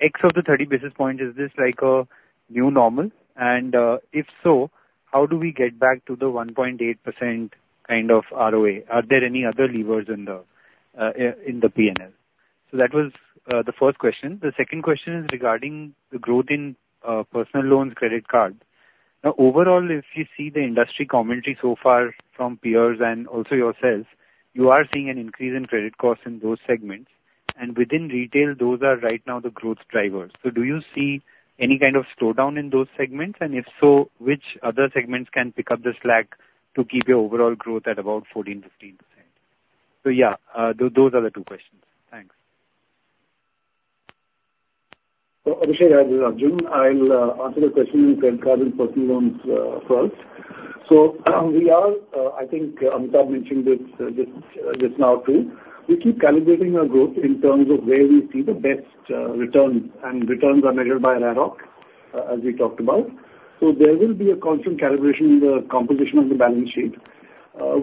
X of the 30 basis points, is this like a new normal? And if so, how do we get back to the 1.8% kind of ROA? Are there any other levers in the P&L? So that was the first question. The second question is regarding the growth in personal loans, credit cards. Now, overall, if you see the industry commentary so far from peers and also yourselves, you are seeing an increase in credit costs in those segments. And within retail, those are right now the growth drivers. So do you see any kind of slowdown in those segments? And if so, which other segments can pick up the slack to keep your overall growth at about 14%-15%? So yeah, those are the two questions. Thanks. Abhishek and Rajiv, I'll answer the question in credit card and personal loans first. So we are, I think Amitabh mentioned this just now too, we keep calibrating our growth in terms of where we see the best returns, and returns are measured by ROC, as we talked about. So there will be a constant calibration in the composition of the balance sheet.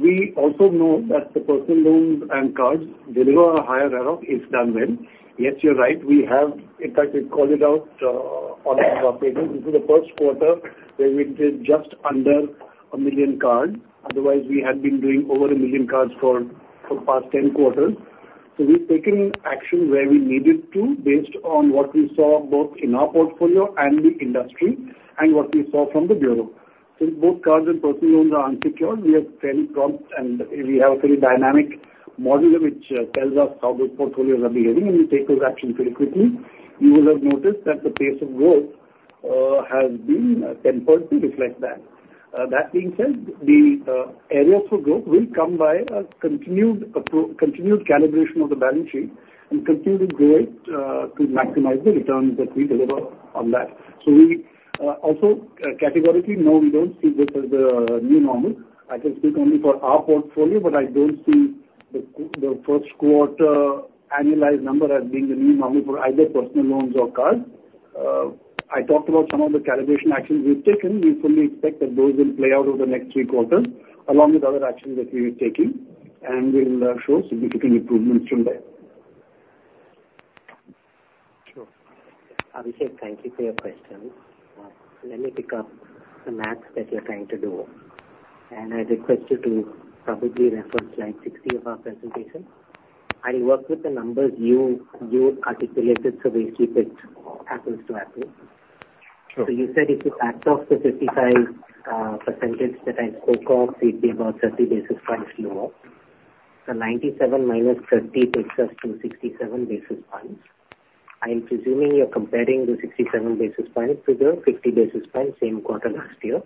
We also know that the personal loans and cards deliver a higher ROC if done well. Yes, you're right. We have, in fact, we called it out on our papers. This is the first quarter where we did just under a million cards. Otherwise, we had been doing over a million cards for the past 10 quarters. So we've taken action where we needed to based on what we saw both in our portfolio and the industry and what we saw from the bureau. Since both cards and personal loans are unsecured, we have fairly prompt and we have a fairly dynamic model which tells us how those portfolios are behaving, and we take those actions very quickly. You will have noticed that the pace of growth has been tempered to reflect that. That being said, the areas for growth will come by a continued calibration of the balance sheet and continued growth to maximize the returns that we deliver on that. So we also categorically know we don't see this as the new normal. I can speak only for our portfolio, but I don't see the first quarter annualized number as being the new normal for either personal loans or cards. I talked about some of the calibration actions we've taken. We fully expect that those will play out over the next three quarters along with other actions that we're taking, and we'll show significant improvements from there. Sure. Abhishek, thank you for your questions. Let me pick up the math that you're trying to do. I'd request you to probably reference like 60 of our presentation. I'll work with the numbers you articulated, so we'll keep it apples to apples. So you said if it adds up to 55% that I spoke of, it'd be about 30 basis points lower. So 97 - 30 takes us to 67 basis points. I'm presuming you're comparing the 67 basis points to the 50 basis points same quarter last year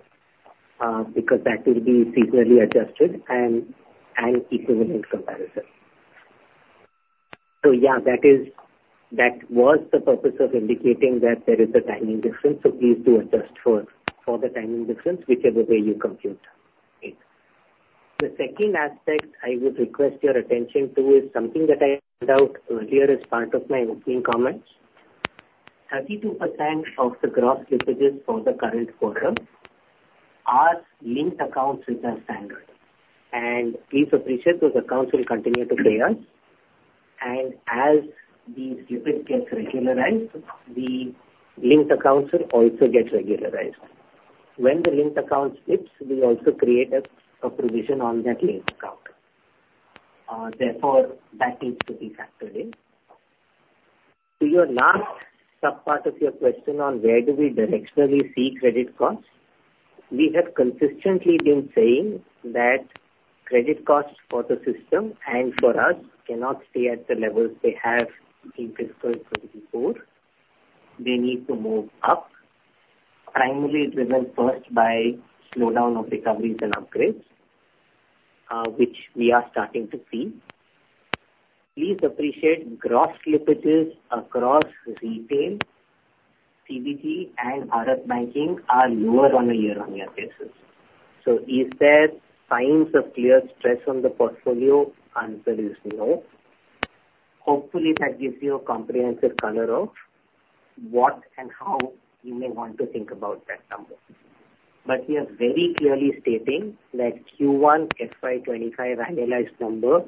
because that will be seasonally adjusted and equivalent comparison. So yeah, that was the purpose of indicating that there is a timing difference. So please do adjust for the timing difference, whichever way you compute it. The second aspect I would request your attention to is something that I pointed out earlier as part of my opening comments. 32% of the gross slippages for the current quarter are linked accounts with our standalone. Please appreciate those accounts will continue to pay us. As these slippages get regularized, the linked accounts will also get regularized. When the linked account slips, we also create a provision on that linked account. Therefore, that needs to be factored in. To your last subpart of your question on where do we directionally see credit costs, we have consistently been saying that credit costs for the system and for us cannot stay at the levels they have in fiscal 2024. They need to move up, primarily driven first by slowdown of recoveries and upgrades, which we are starting to see. Please appreciate gross slippages across retail, CBG, and RF banking are lower on a year-on-year basis. So is there signs of clear stress on the portfolio? Answer is no. Hopefully, that gives you a comprehensive color of what and how you may want to think about that number. But we are very clearly stating that Q1 FY25 annualized number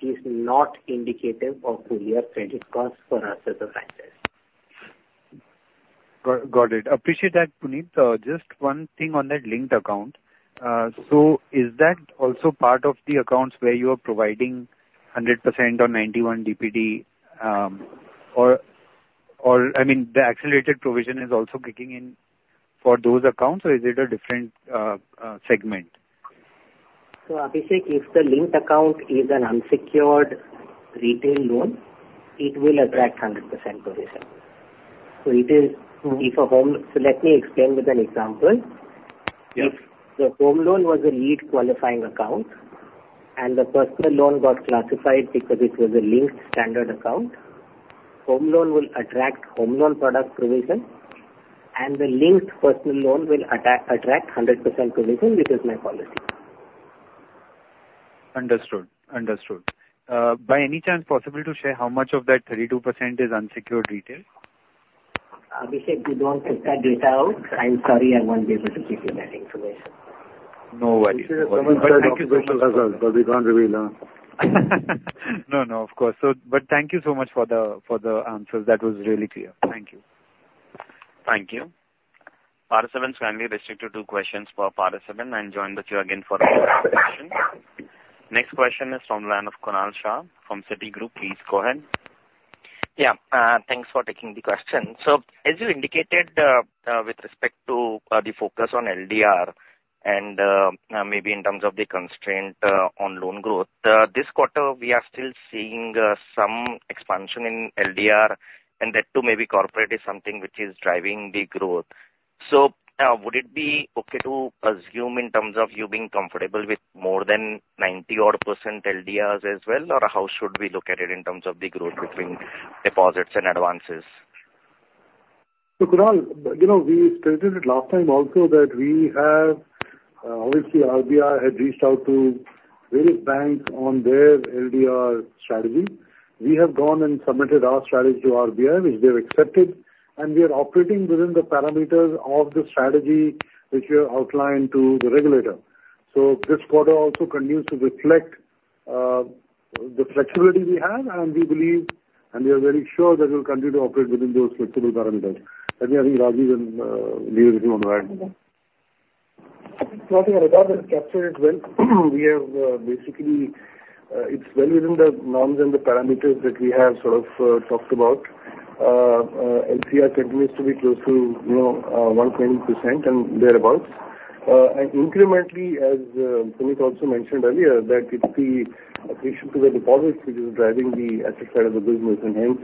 is not indicative of earlier credit costs for us as a franchise. Got it. Appreciate that, Puneet. Just one thing on that linked account. So is that also part of the accounts where you are providing 100% or 91 DPD? Or I mean, the accelerated provision is also kicking in for those accounts, or is it a different segment? So Abhishek, if the linked account is an unsecured retail loan, it will attract 100% provision. So let me explain with an example. If the home loan was a lead qualifying account and the personal loan got classified because it was a linked standard account, home loan will attract home loan product provision, and the linked personal loan will attract 100% provision, which is my policy. Understood. Understood. By any chance, possible to share how much of that 32% is unsecured retail? Abhishek, we don't have that data out. I'm sorry I won't be able to give you that information. No worries. This is a common question. Thank you so much, Azhar, but we can't reveal now. No, no, of course. But thank you so much for the answers. That was really clear. Thank you. Thank you. Participants are kindly requested to two questions per participant and joined the queue again for a follow-up question. Next question is from the line of Kunal Shah from Citigroup. Please go ahead. Yeah. Thanks for taking the question. So as you indicated with respect to the focus on LDR and maybe in terms of the constraint on loan growth, this quarter we are still seeing some expansion in LDR, and that too maybe corporate is something which is driving the growth. So would it be okay to assume in terms of you being comfortable with more than 90-odd% LDRs as well, or how should we look at it in terms of the growth between deposits and advances? So Kunal, we stated it last time also that we have, obviously, RBI had reached out to various banks on their LDR strategy. We have gone and submitted our strategy to RBI, which they've accepted, and we are operating within the parameters of the strategy which we have outlined to the regulator. So this quarter also continues to reflect the flexibility we have, and we believe, and we are very sure that we'll continue to operate within those flexible parameters. Anything else you want to add? Nothing at all is captured as well. We have basically. It's well within the norms and the parameters that we have sort of talked about. LCR continues to be close to 1.8% and thereabouts. And incrementally, as Puneet also mentioned earlier, that it's the attrition to the deposits which is driving the asset side of the business, and hence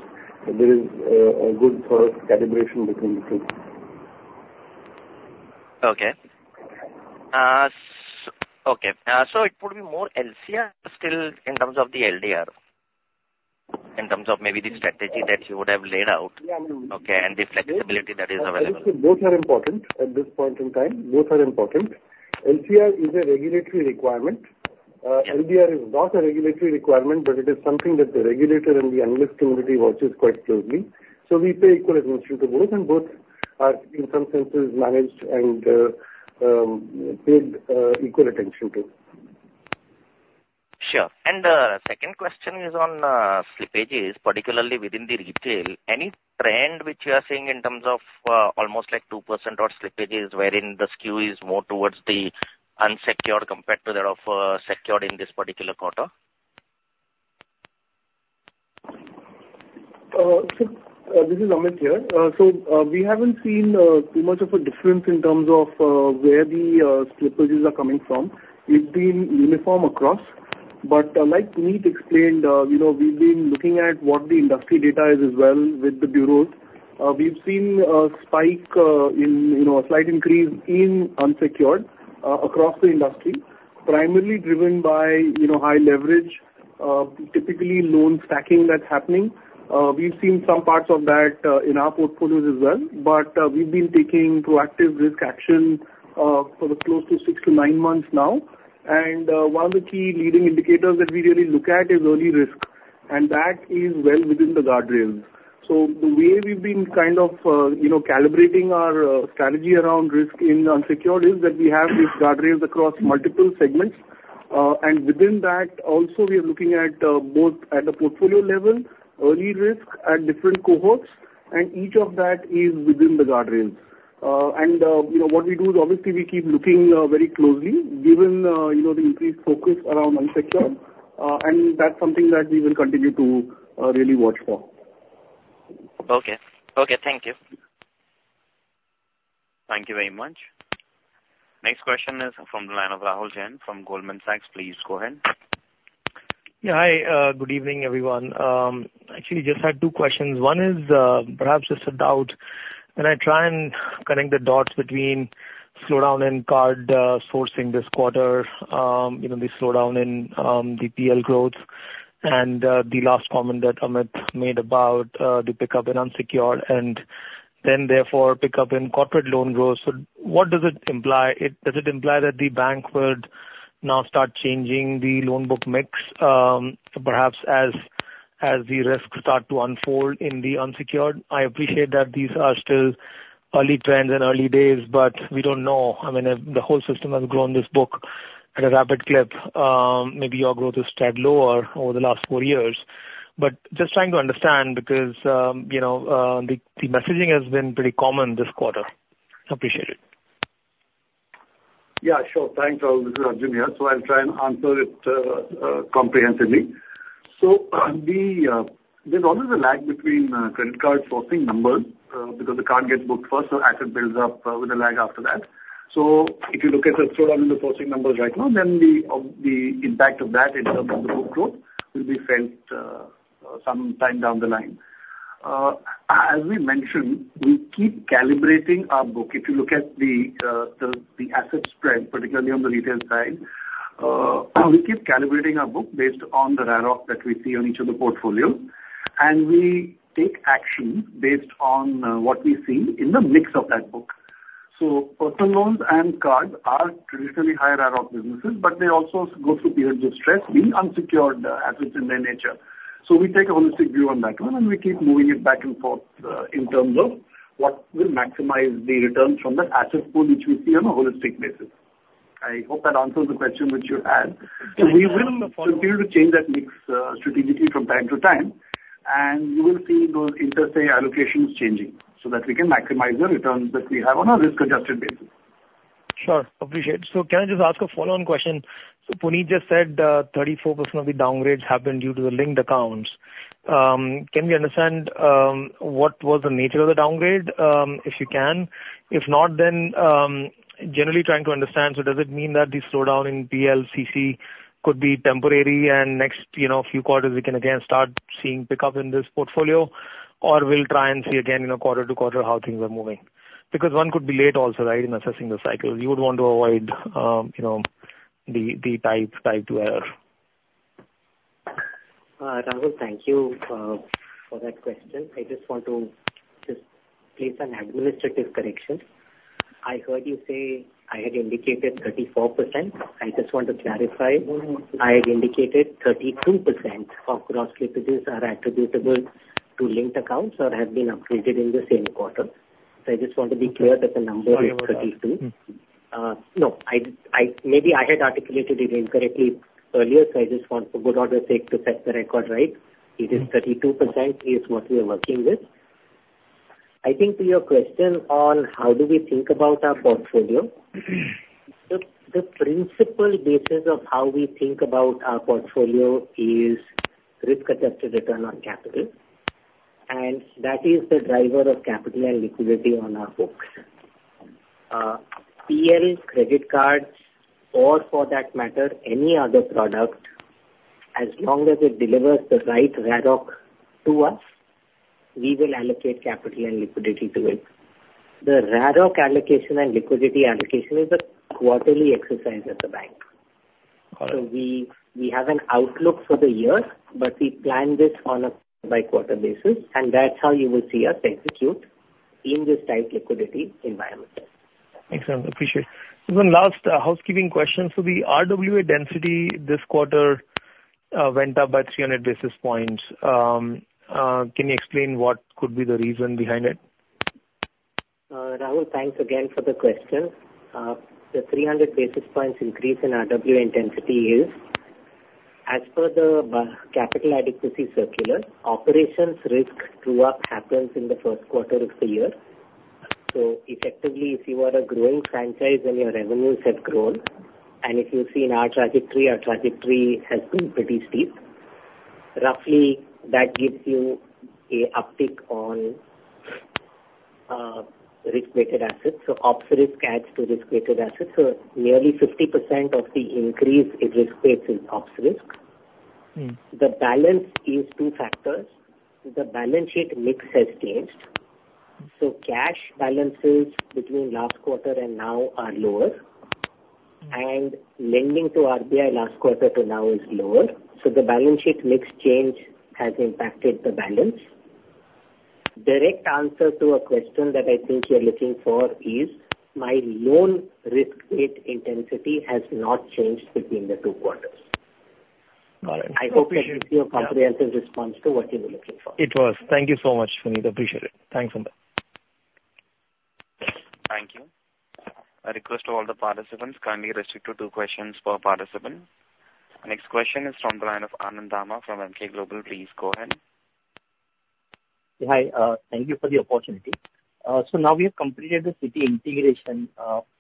there is a good sort of calibration between the two. Okay. Okay. So it would be more LCR still in terms of the LDR, in terms of maybe the strategy that you would have laid out? Yeah, I mean, okay, and the flexibility that is available. Both are important at this point in time. Both are important. LCR is a regulatory requirement. LDR is not a regulatory requirement, but it is something that the regulator and the invested community watches quite closely. So we pay equal attention to both, and both are in some senses managed and paid equal attention to. Sure. And the second question is on slippages, particularly within the retail. Any trend which you are seeing in terms of almost like 2% or slippages wherein the skew is more towards the unsecured compared to that of secured in this particular quarter? This is Amit here. So we haven't seen too much of a difference in terms of where the slippages are coming from. We've been uniform across. But like Puneet explained, we've been looking at what the industry data is as well with the bureaus. We've seen a spike, a slight increase in unsecured across the industry, primarily driven by high leverage, typically loan stacking that's happening. We've seen some parts of that in our portfolios as well, but we've been taking proactive risk action for close to 6-9 months now. And one of the key leading indicators that we really look at is early risk, and that is well within the guardrails. So the way we've been kind of calibrating our strategy around risk in unsecured is that we have these guardrails across multiple segments. And within that, also we are looking at both at the portfolio level, early risk at different cohorts, and each of that is within the guardrails. And what we do is obviously we keep looking very closely given the increased focus around unsecured, and that's something that we will continue to really watch for. Okay. Okay. Thank you. Thank you very much. Next question is from the line of Rahul Jain from Goldman Sachs. Please go ahead. Yeah. Hi. Good evening, everyone. Actually, just had two questions. One is perhaps just a doubt. When I try and connect the dots between slowdown in card sourcing this quarter, the slowdown in DPL growth, and the last comment that Amit made about the pickup in unsecured and then therefore pickup in corporate loan growth, what does it imply? Does it imply that the bank would now start changing the loan book mix, perhaps as the risks start to unfold in the unsecured? I appreciate that these are still early trends and early days, but we don't know. I mean, the whole system has grown this book at a rapid clip. Maybe your growth is steadily lower over the last four years. But just trying to understand because the messaging has been pretty common this quarter. Appreciate it. Yeah. Sure. Thanks, Rajiv Anand here. So I'll try and answer it comprehensively. So there's always a lag between credit card sourcing numbers because the card gets booked first, so asset builds up with a lag after that. So if you look at the slowdown in the sourcing numbers right now, then the impact of that in terms of the book growth will be felt sometime down the line. As we mentioned, we keep calibrating our book. If you look at the asset spread, particularly on the retail side, we keep calibrating our book based on the RAROC that we see on each of the portfolios, and we take action based on what we see in the mix of that book. So personal loans and cards are traditionally high RAROC businesses, but they also go through periods of stress being unsecured assets in their nature. So we take a holistic view on that one, and we keep moving it back and forth in terms of what will maximize the returns from that asset pool which we see on a holistic basis. I hope that answers the question which you had. So we will continue to change that mix strategically from time to time, and you will see those interest allocations changing so that we can maximize the returns that we have on a risk-adjusted basis. Sure. Appreciate it. So can I just ask a follow-on question? So Puneet just said 34% of the downgrades happened due to the linked accounts. Can we understand what was the nature of the downgrade, if you can? If not, then generally trying to understand, so does it mean that the slowdown in PLCC could be temporary, and next few quarters we can again start seeing pickup in this portfolio, or we'll try and see again quarter to quarter how things are moving? Because one could be late also, right, in assessing the cycle. You would want to avoid the type-two error. Rahul, thank you for that question. I just want to just place an administrative correction. I heard you say I had indicated 34%. I just want to clarify. I had indicated 32% of gross slippages are attributable to linked accounts or have been upgraded in the same quarter. So I just want to be clear that the number is 32. No. Maybe I had articulated it incorrectly earlier, so I just want for good order's sake to set the record right. It is 32% is what we are working with. I think to your question on how do we think about our portfolio, the principal basis of how we think about our portfolio is risk-adjusted return on capital, and that is the driver of capital and liquidity on our books. PL credit cards, or for that matter, any other product, as long as it delivers the right RAROC to us, we will allocate capital and liquidity to it. The RAROC allocation and liquidity allocation is a quarterly exercise at the bank. So we have an outlook for the year, but we plan this on a quarter-by-quarter basis, and that's how you will see us execute in this tight liquidity environment. Excellent. Appreciate it. So one last housekeeping question. So the RWA density this quarter went up by 300 basis points. Can you explain what could be the reason behind it? Rahul, thanks again for the question. The 300 basis points increase in RWA intensity is, as per the capital adequacy circular, operational risk true-up happens in the first quarter of the year. So effectively, if you are a growing franchise and your revenues have grown, and if you see in our trajectory, our trajectory has been pretty steep, roughly that gives you an uptick on risk-weighted assets. So ops risk adds to risk-weighted assets. So nearly 50% of the increase in risk-weighted assets is ops risk. The balance is two factors. The balance sheet mix has changed. So cash balances between last quarter and now are lower, and lending to RBI last quarter to now is lower. So the balance sheet mix change has impacted the balance. Direct answer to a question that I think you're looking for is, my loan risk-weight intensity has not changed between the two quarters. I hope it gives you a comprehensive response to what you were looking for. It was. Thank you so much, Puneet. Appreciate it. Thanks, Amit. Thank you. I request all the participants kindly restrict to two questions per participant. Next question is from the line of Anand Dama from Emkay Global. Please go ahead. Hi. Thank you for the opportunity. So now we have completed the Citi integration.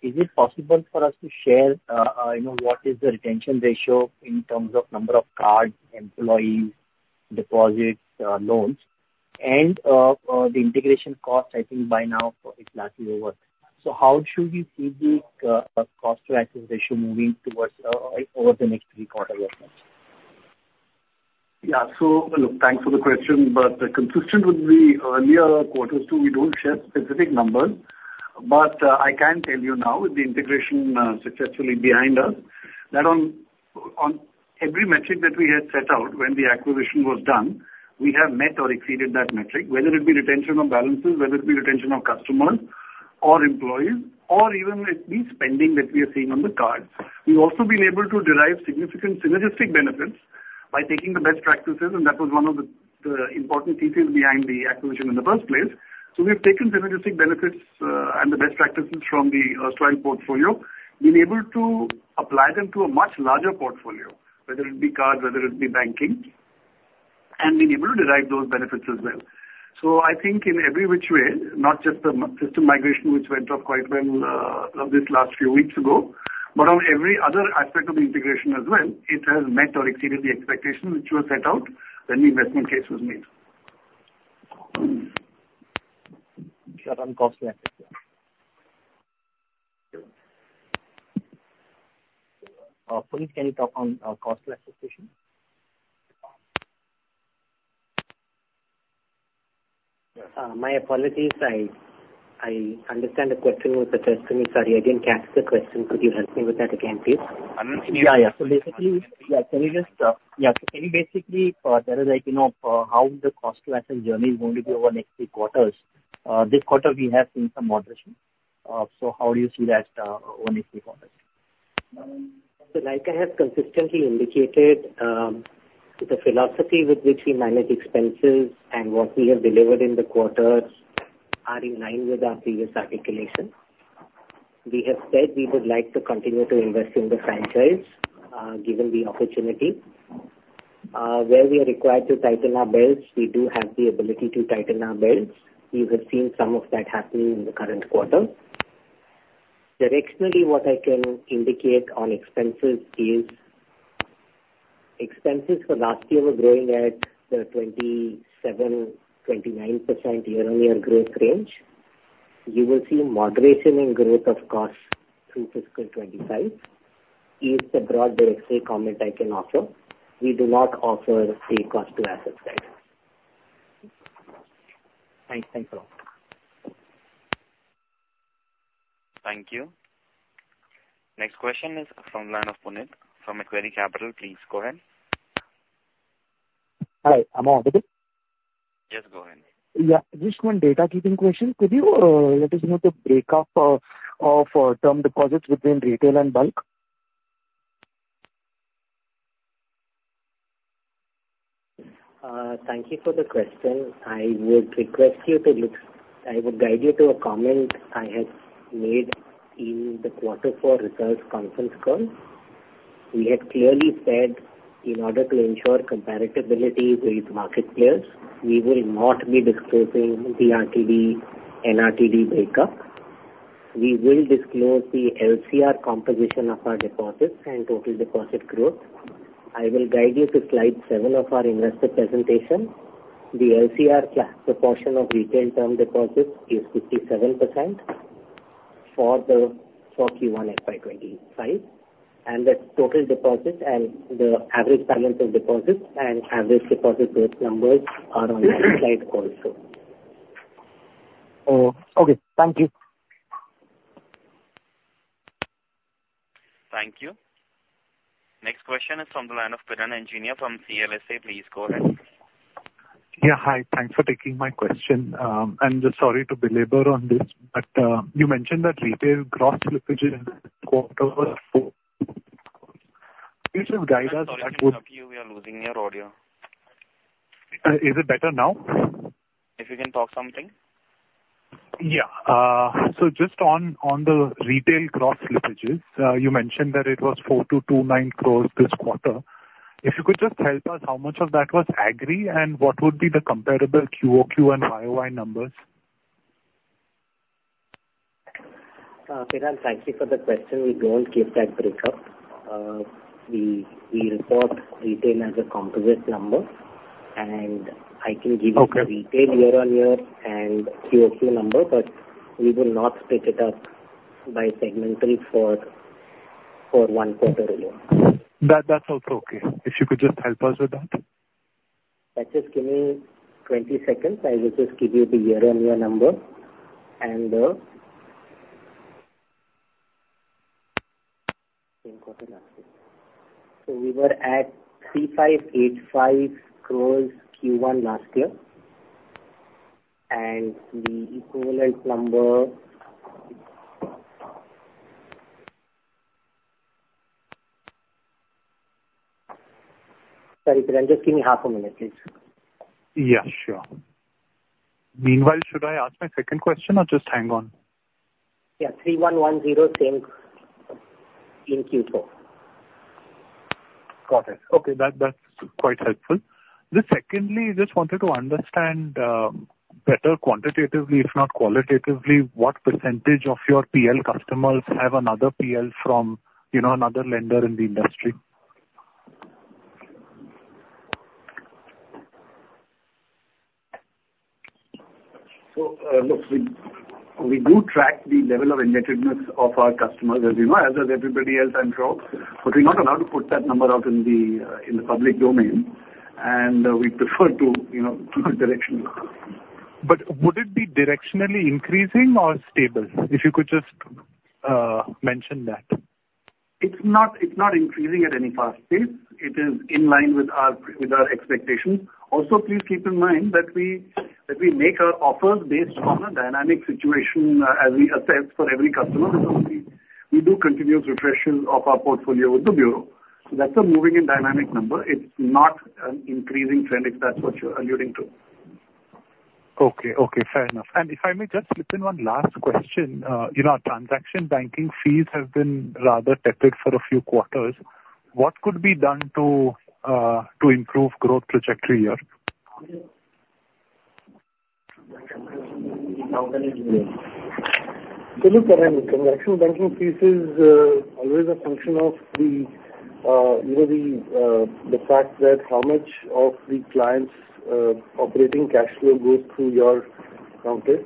Is it possible for us to share what is the retention ratio in terms of number of cards, employees, deposits, loans, and the integration cost? I think by now it's largely over. So how should we see the cost-to-asset ratio moving forward over the next three quarters or so? Yeah. So look, thanks for the question, but consistent with the earlier quarters too, we don't share specific numbers, but I can tell you now with the integration successfully behind us that on every metric that we had set out when the acquisition was done, we have met or exceeded that metric, whether it be retention of balances, whether it be retention of customers or employees, or even at least spending that we are seeing on the cards. We've also been able to derive significant synergistic benefits by taking the best practices, and that was one of the important pieces behind the acquisition in the first place. So we've taken synergistic benefits and the best practices from the erstwhile portfolio, been able to apply them to a much larger portfolio, whether it be cards, whether it be banking, and been able to derive those benefits as well. So I think in every which way, not just the system migration which went off quite well this last few weeks ago, but on every other aspect of the integration as well, it has met or exceeded the expectations which were set out when the investment case was made. Puneet, can you talk on cost-to-assets issue? My apologies. I understand the question was addressed to me. Sorry, I didn't catch the question. Could you help me with that again, please? So basically, can you tell us how the cost-to-assets journey is going to be over the next three quarters? This quarter, we have seen some moderation. So how do you see that over the next three quarters? So like I have consistently indicated, the philosophy with which we manage expenses and what we have delivered in the quarters are in line with our previous articulation. We have said we would like to continue to invest in the franchise given the opportunity. Where we are required to tighten our belts, we do have the ability to tighten our belts. You have seen some of that happening in the current quarter. Directionally, what I can indicate on expenses is expenses for last year were growing at the 27%-29% year-on-year growth range. You will see moderation in growth of costs through fiscal 2025 is the broad directional comment I can offer. We do not offer a cost-to-asset guide. Thanks. Thanks a lot. Thank you. Next question is from the line of Punit from Equirus Capital, please go ahead. Hi. Am I audible? Yes. Go ahead. Yeah. Just one data-keeping question. Could you let us know the breakup of term deposits within retail and bulk? Thank you for the question. I would request you to look. I would guide you to a comment I had made in the quarter four results conference call. We had clearly said, in order to ensure comparability with market players, we will not be disclosing the RTD, NRTD breakup. We will disclose the LCR composition of our deposits and total deposit growth. I will guide you to slide 7 of our investor presentation. The LCR proportion of retail term deposits is 57% for Q1 FY25, and the total deposit and the average balance of deposits and average deposit growth numbers are on that slide also. Okay. Thank you. Thank you. Next question is from the line of Piran Engineer from CLSA. Please go ahead. Yeah. Hi. Thanks for taking my question. I'm just sorry to belabor on this, but you mentioned that retail gross slippage in quarter four. Could you guide us? Sorry to interrupt you. We are losing your audio. Is it better now? If you can talk something. Yeah. So just on the retail gross slippages, you mentioned that it was 4,229 crore this quarter. If you could just tell us how much of that was aggregate and what would be the comparable QOQ and YoY numbers? Piran, thank you for the question. We don't give that breakup. We report retail as a composite number, and I can give you the retail year-on-year and QOQ number, but we will not split it up by segmentally for one quarter alone. That's also okay. If you could just help us with that. That just give me 20 seconds. I will just give you the year-on-year number and the same quarter last year. So we were at 3,585 crores Q1 last year, and the equivalent number sorry, Piran just give me half a minute, please. Yeah. Sure. Meanwhile, should I ask my second question or just hang on? Yeah. 3,110 same in Q4. Got it. Okay. That's quite helpful. Secondly, I just wanted to understand better quantitatively, if not qualitatively, what percentage of your PL customers have another PL from another lender in the industry? So look, we do track the level of indebtedness of our customers as we know, as does everybody else I'm sure, but we're not allowed to put that number out in the public domain, and we prefer to do it directionally. But would it be directionally increasing or stable? If you could just mention that. It's not increasing at any fast pace. It is in line with our expectations. Also, please keep in mind that we make our offers based on a dynamic situation as we assess for every customer. We do continuous refreshes of our portfolio with the bureau. So that's a moving and dynamic number. It's not an increasing trend if that's what you're alluding to. Okay. Okay. Fair enough. If I may just slip in one last question. Our transaction banking fees have been rather tepid for a few quarters. What could be done to improve growth trajectory here? So look, Piran, transaction banking fees is always a function of the fact that how much of the client's operating cash flow goes through your counter.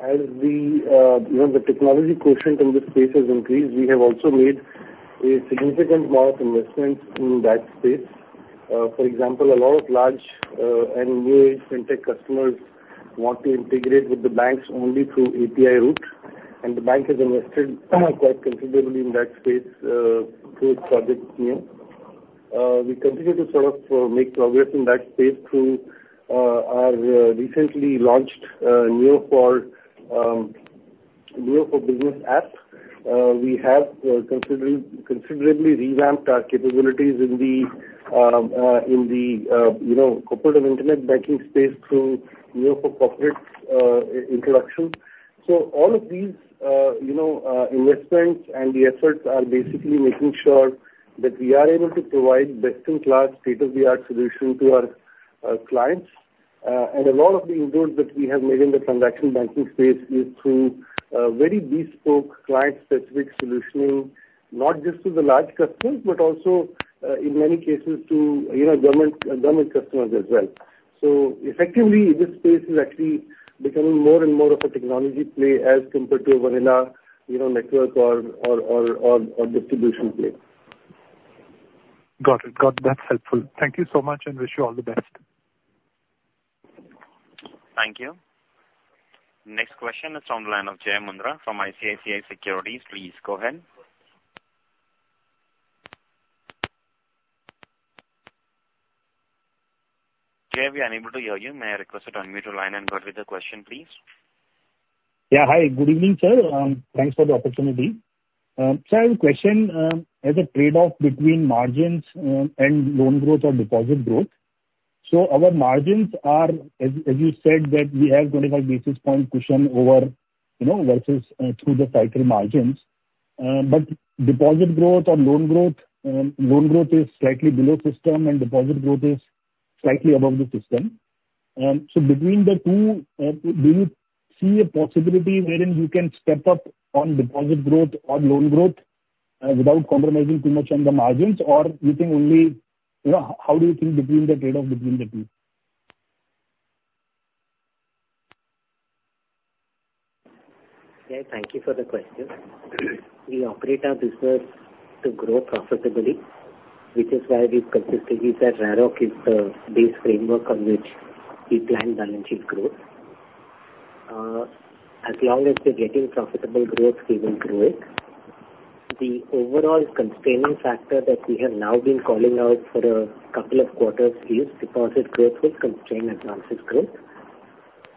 As the technology quotient in this space has increased, we have also made a significant amount of investments in that space. For example, a lot of large and new fintech customers want to integrate with the banks only through API route, and the bank has invested quite considerably in that space through its Project NEO. We continue to sort of make progress in that space through our recently launched NEO for Business app. We have considerably revamped our capabilities in the corporate and internet banking space through NEO for Corporates introduction. So all of these investments and the efforts are basically making sure that we are able to provide best-in-class, state-of-the-art solution to our clients. And a lot of the inputs that we have made in the transaction banking space is through very bespoke, client-specific solutioning, not just to the large customers, but also in many cases to government customers as well. So effectively, this space is actually becoming more and more of a technology play as compared to a vanilla network or distribution play. Got it. Got it. That's helpful. Thank you so much and wish you all the best. Thank you. Next question is from the line of Jai Mundhra from ICICI Securities. Please go ahead. Jai, we are unable to hear you. May I request to unmute your line and go ahead with the question, please? Yeah. Hi. Good evening, sir. Thanks for the opportunity. So I have a question. There's a trade-off between margins and loan growth or deposit growth. So our margins are, as you said, that we have 25 basis point cushion over versus through the cycle margins. But deposit growth or loan growth, loan growth is slightly below system and deposit growth is slightly above the system. So between the two, do you see a possibility wherein you can step up on deposit growth or loan growth without compromising too much on the margins, or you think only how do you think between the trade-off between the two? Okay. Thank you for the question. We operate our business to grow profitably, which is why we've consistently said RAROC is the base framework on which we plan balance sheet growth. As long as we're getting profitable growth, we will grow it. The overall constraining factor that we have now been calling out for a couple of quarters is deposit growth will constrain advances growth.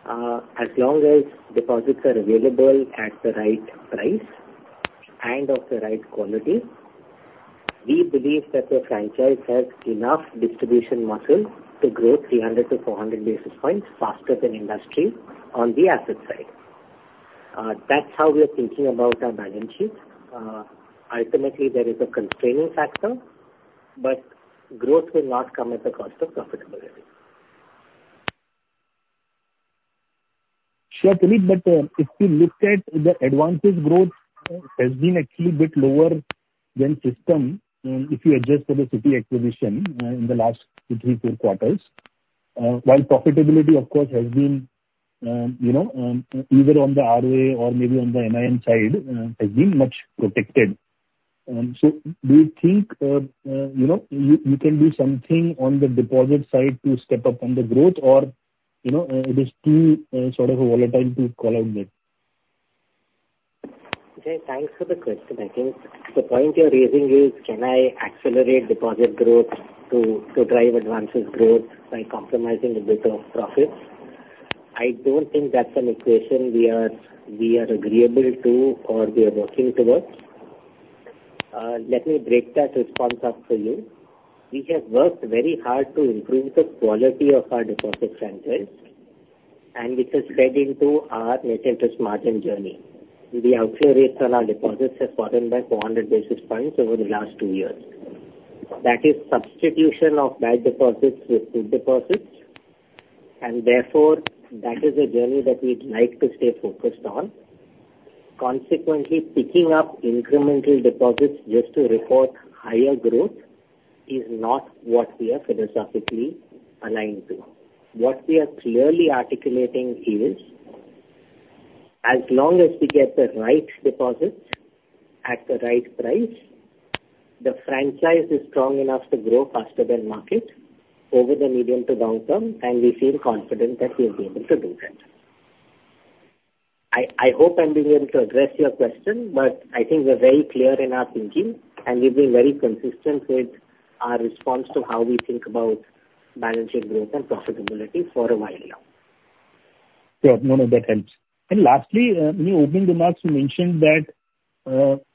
As long as deposits are available at the right price and of the right quality, we believe that the franchise has enough distribution muscle to grow 300-400 basis points faster than industry on the asset side. That's how we are thinking about our balance sheet. Ultimately, there is a constraining factor, but growth will not come at the cost of profitability. Sure. Puneet, but if you look at the advances growth, it has been actually a bit lower than system if you adjust for the Citi acquisition in the last two, three, four quarters. While profitability, of course, has been either on the ROA or maybe on the NIM side, has been much protected. So do you think you can do something on the deposit side to step up on the growth, or it is too sort of volatile to call out yet? Okay. Thanks for the question. I think the point you're raising is, can I accelerate deposit growth to drive advances growth by compromising a bit of profits? I don't think that's an equation we are agreeable to or we are working towards. Let me break that response up for you. We have worked very hard to improve the quality of our deposit franchise, and it has fed into our net interest margin journey. The outflow rate on our deposits has fallen by 400 basis points over the last two years. That is substitution of bad deposits with good deposits, and therefore, that is a journey that we'd like to stay focused on. Consequently, picking up incremental deposits just to report higher growth is not what we are philosophically aligned to. What we are clearly articulating is, as long as we get the right deposits at the right price, the franchise is strong enough to grow faster than market over the medium to long term, and we feel confident that we'll be able to do that. I hope I'm being able to address your question, but I think we're very clear in our thinking, and we've been very consistent with our response to how we think about balance sheet growth and profitability for a while now. Sure. No, no. That helps. And lastly, in your opening remarks, you mentioned that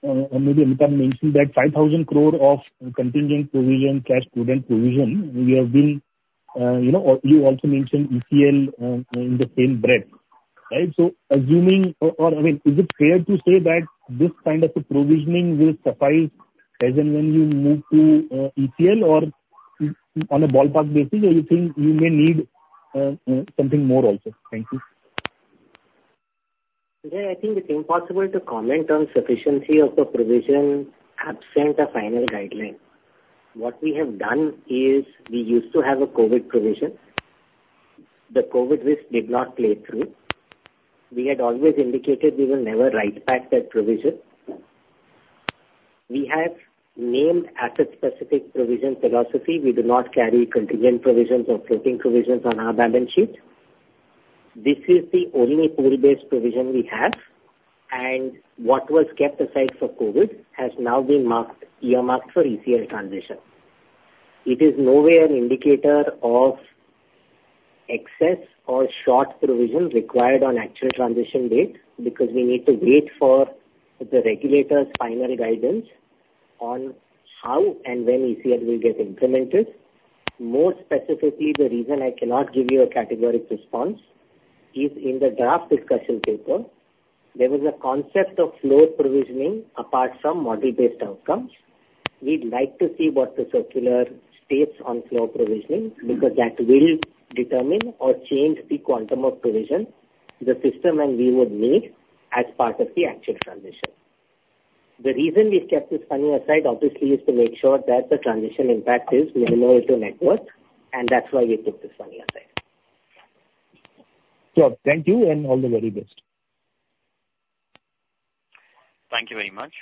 maybe Amitabh mentioned that 5,000 crore of contingent provision cash prudent provision, we have been you also mentioned ECL in the same breadth. Right? So assuming or I mean, is it fair to say that this kind of provisioning will suffice as and when you move to ECL or on a ballpark basis, or you think you may need something more also? Thank you. Pirani, I think it's impossible to comment on sufficiency of the provision absent a final guideline. What we have done is we used to have a COVID provision. The COVID risk did not play through. We had always indicated we will never write back that provision. We have named asset-specific provision philosophy. We do not carry contingent provisions or floating provisions on our balance sheet. This is the only pool-based provision we have, and what was kept aside for COVID has now been earmarked for ECL transition. It is nowhere an indicator of excess or short provision required on actual transition date because we need to wait for the regulator's final guidance on how and when ECL will get implemented. More specifically, the reason I cannot give you a categorical response is in the draft discussion paper, there was a concept of floor provisioning apart from model-based outcomes. We'd like to see what the circular states on floor provisioning because that will determine or change the quantum of provision the system and we would need as part of the actual transition. The reason we kept this money aside, obviously, is to make sure that the transition impact is minimal to net worth, and that's why we put this money aside. Sure. Thank you and all the very best. Thank you very much.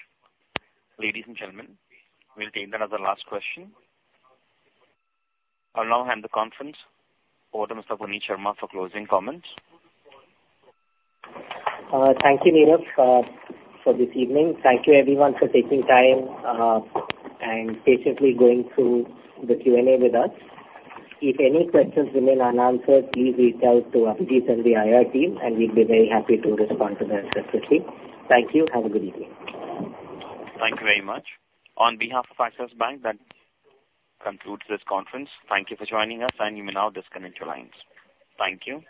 Ladies and gentlemen, we'll take that as a last question. I'll now hand the conference over to Mr. Puneet Sharma for closing comments. Thank you, Neeraj, for this evening. Thank you, everyone, for taking time and patiently going through the Q&A with us. If any questions remain unanswered, please reach out to Abhijit and the IR team, and we'll be very happy to respond to them as best as we. Thank you. Have a good evening. Thank you very much. On behalf of Axis Bank, that concludes this conference. Thank you for joining us, and you may now disconnect your lines. Thank you.